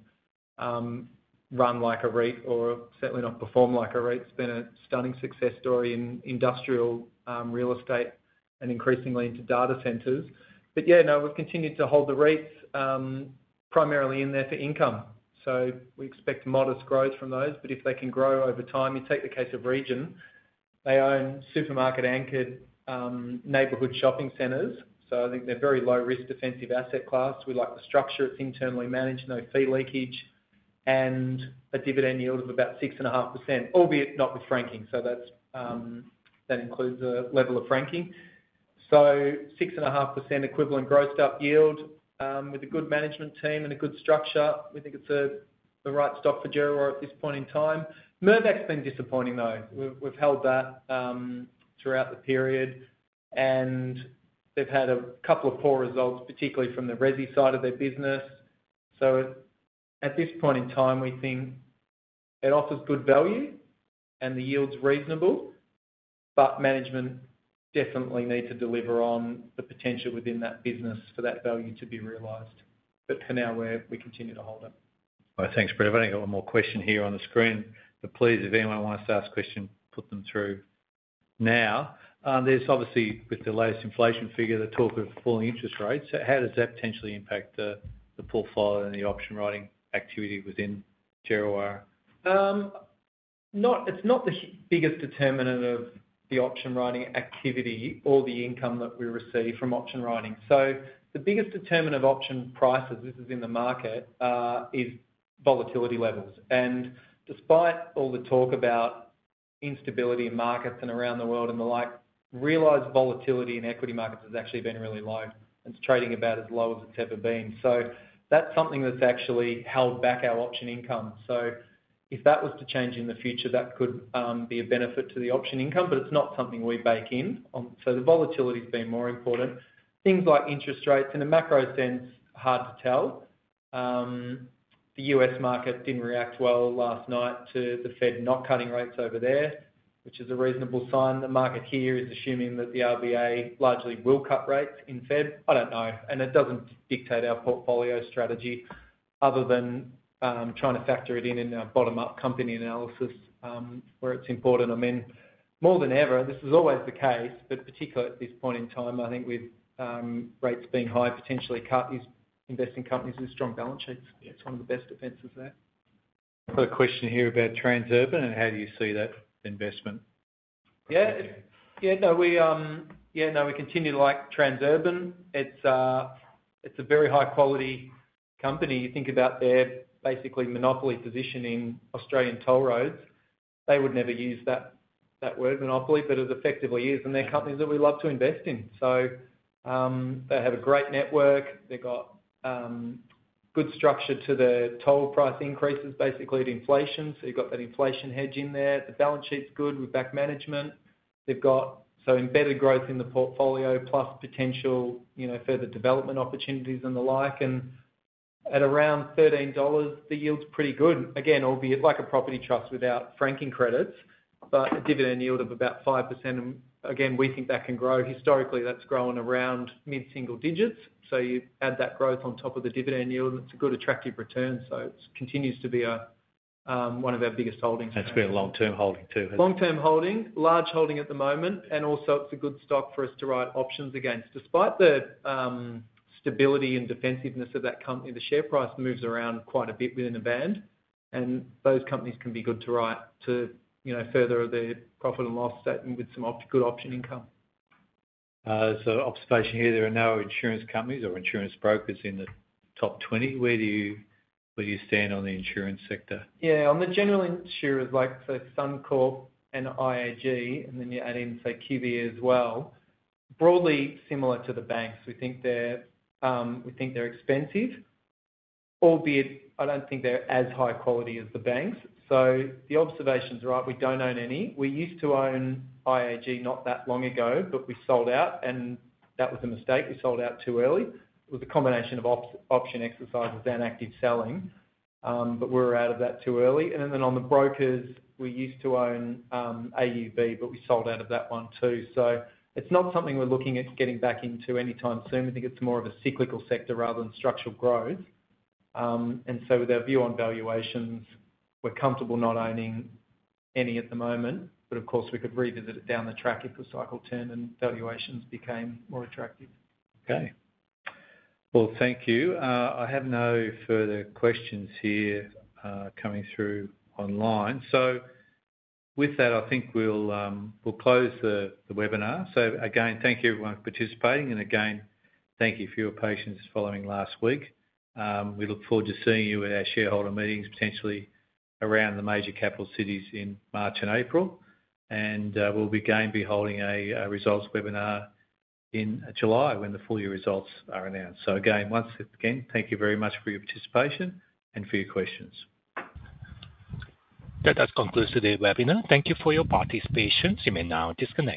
run like a REIT or certainly not perform like a REIT. It's been a stunning success story in industrial real estate and increasingly into data centers. But yeah, no, we've continued to hold the REITs primarily in there for income. So we expect modest growth from those, but if they can grow over time, you take the case of Region. They own supermarket-anchored neighborhood shopping centers. So I think they're very low-risk defensive asset class. We like the structure. It's internally managed, no fee leakage, and a dividend yield of about 6.5%, albeit not with franking. So that includes a level of franking. So 6.5% equivalent grossed-up yield with a good management team and a good structure. We think it's the right stock for Djerriwarrh at this point in time. Mirvac's been disappointing, though. We've held that throughout the period, and they've had a couple of poor results, particularly from the resi side of their business. So at this point in time, we think it offers good value, and the yield's reasonable, but management definitely needs to deliver on the potential within that business for that value to be realized. But for now, we continue to hold it. All right. Thanks, Brett. I've only got one more question here on the screen, but please, if anyone wants to ask a question, put them through now. There's obviously, with the latest inflation figure, the talk of falling interest rates. How does that potentially impact the portfolio and the option writing activity within Djerriwarrh? It's not the biggest determinant of the option writing activity or the income that we receive from option writing. So the biggest determinant of option prices, this is in the market, is volatility levels. Despite all the talk about instability in markets and around the world and the like, realized volatility in equity markets has actually been really low, and it's trading about as low as it's ever been. That's something that's actually held back our option income. If that was to change in the future, that could be a benefit to the option income, but it's not something we bake in. The volatility's been more important. Things like interest rates, in a macro sense, hard to tell. The U.S. market didn't react well last night to the Fed not cutting rates over there, which is a reasonable sign. The market here is assuming that the RBA likely will cut rates in February. I don't know. It doesn't dictate our portfolio strategy other than trying to factor it in in our bottom-up company analysis where it's important. I mean, more than ever, this is always the case, but particularly at this point in time, I think with rates being high, potential cuts, investing in companies with strong balance sheets. It's one of the best defenses there. I've got a question here about Transurban, and how do you see that investment? Yeah. Yeah. No, we continue to like Transurban. It's a very high-quality company. You think about their basically monopoly position in Australian toll roads. They would never use that word, monopoly, but it effectively is, and they're companies that we love to invest in. So they have a great network. They've got good structure to their toll price increases, basically to inflation, so you've got that inflation hedge in there. The balance sheet's good with debt management. They've got some embedded growth in the portfolio plus potential further development opportunities and the like. At around 13 dollars, the yield's pretty good. Again, albeit like a property trust without franking credits, but a dividend yield of about 5%. Again, we think that can grow. Historically, that's grown around mid-single digits. You add that growth on top of the dividend yield, and it's a good attractive return. It continues to be one of our biggest holdings. That's been a long-term holding too. Long-term holding, large holding at the moment, and also it's a good stock for us to write options against. Despite the stability and defensiveness of that company, the share price moves around quite a bit within a band, and those companies can be good to write to further the profit and loss statement with some good option income. Observation here, there are no insurance companies or insurance brokers in the top 20. Where do you stand on the insurance sector? Yeah. On the general insurers, like say Suncorp and IAG, and then you add in say QBE as well, broadly similar to the banks. We think they're expensive, albeit I don't think they're as high quality as the banks. So the observation's right. We don't own any. We used to own IAG not that long ago, but we sold out, and that was a mistake. We sold out too early. It was a combination of option exercises and active selling, but we were out of that too early, and then on the brokers, we used to own AUB, but we sold out of that one too. So it's not something we're looking at getting back into anytime soon. We think it's more of a cyclical sector rather than structural growth. With our view on valuations, we're comfortable not owning any at the moment, but of course, we could revisit it down the track if the cycle turned and valuations became more attractive. Okay. Well, thank you. I have no further questions here coming through online. With that, I think we'll close the webinar. Again, thank you everyone for participating, and again, thank you for your patience following last week. We look forward to seeing you at our shareholder meetings, potentially around the major capital cities in March and April. We'll be holding a results webinar in July when the full year results are announced. Again, once again, thank you very much for your participation and for your questions. That does conclude today's webinar. Thank you for your participation. You may now disconnect.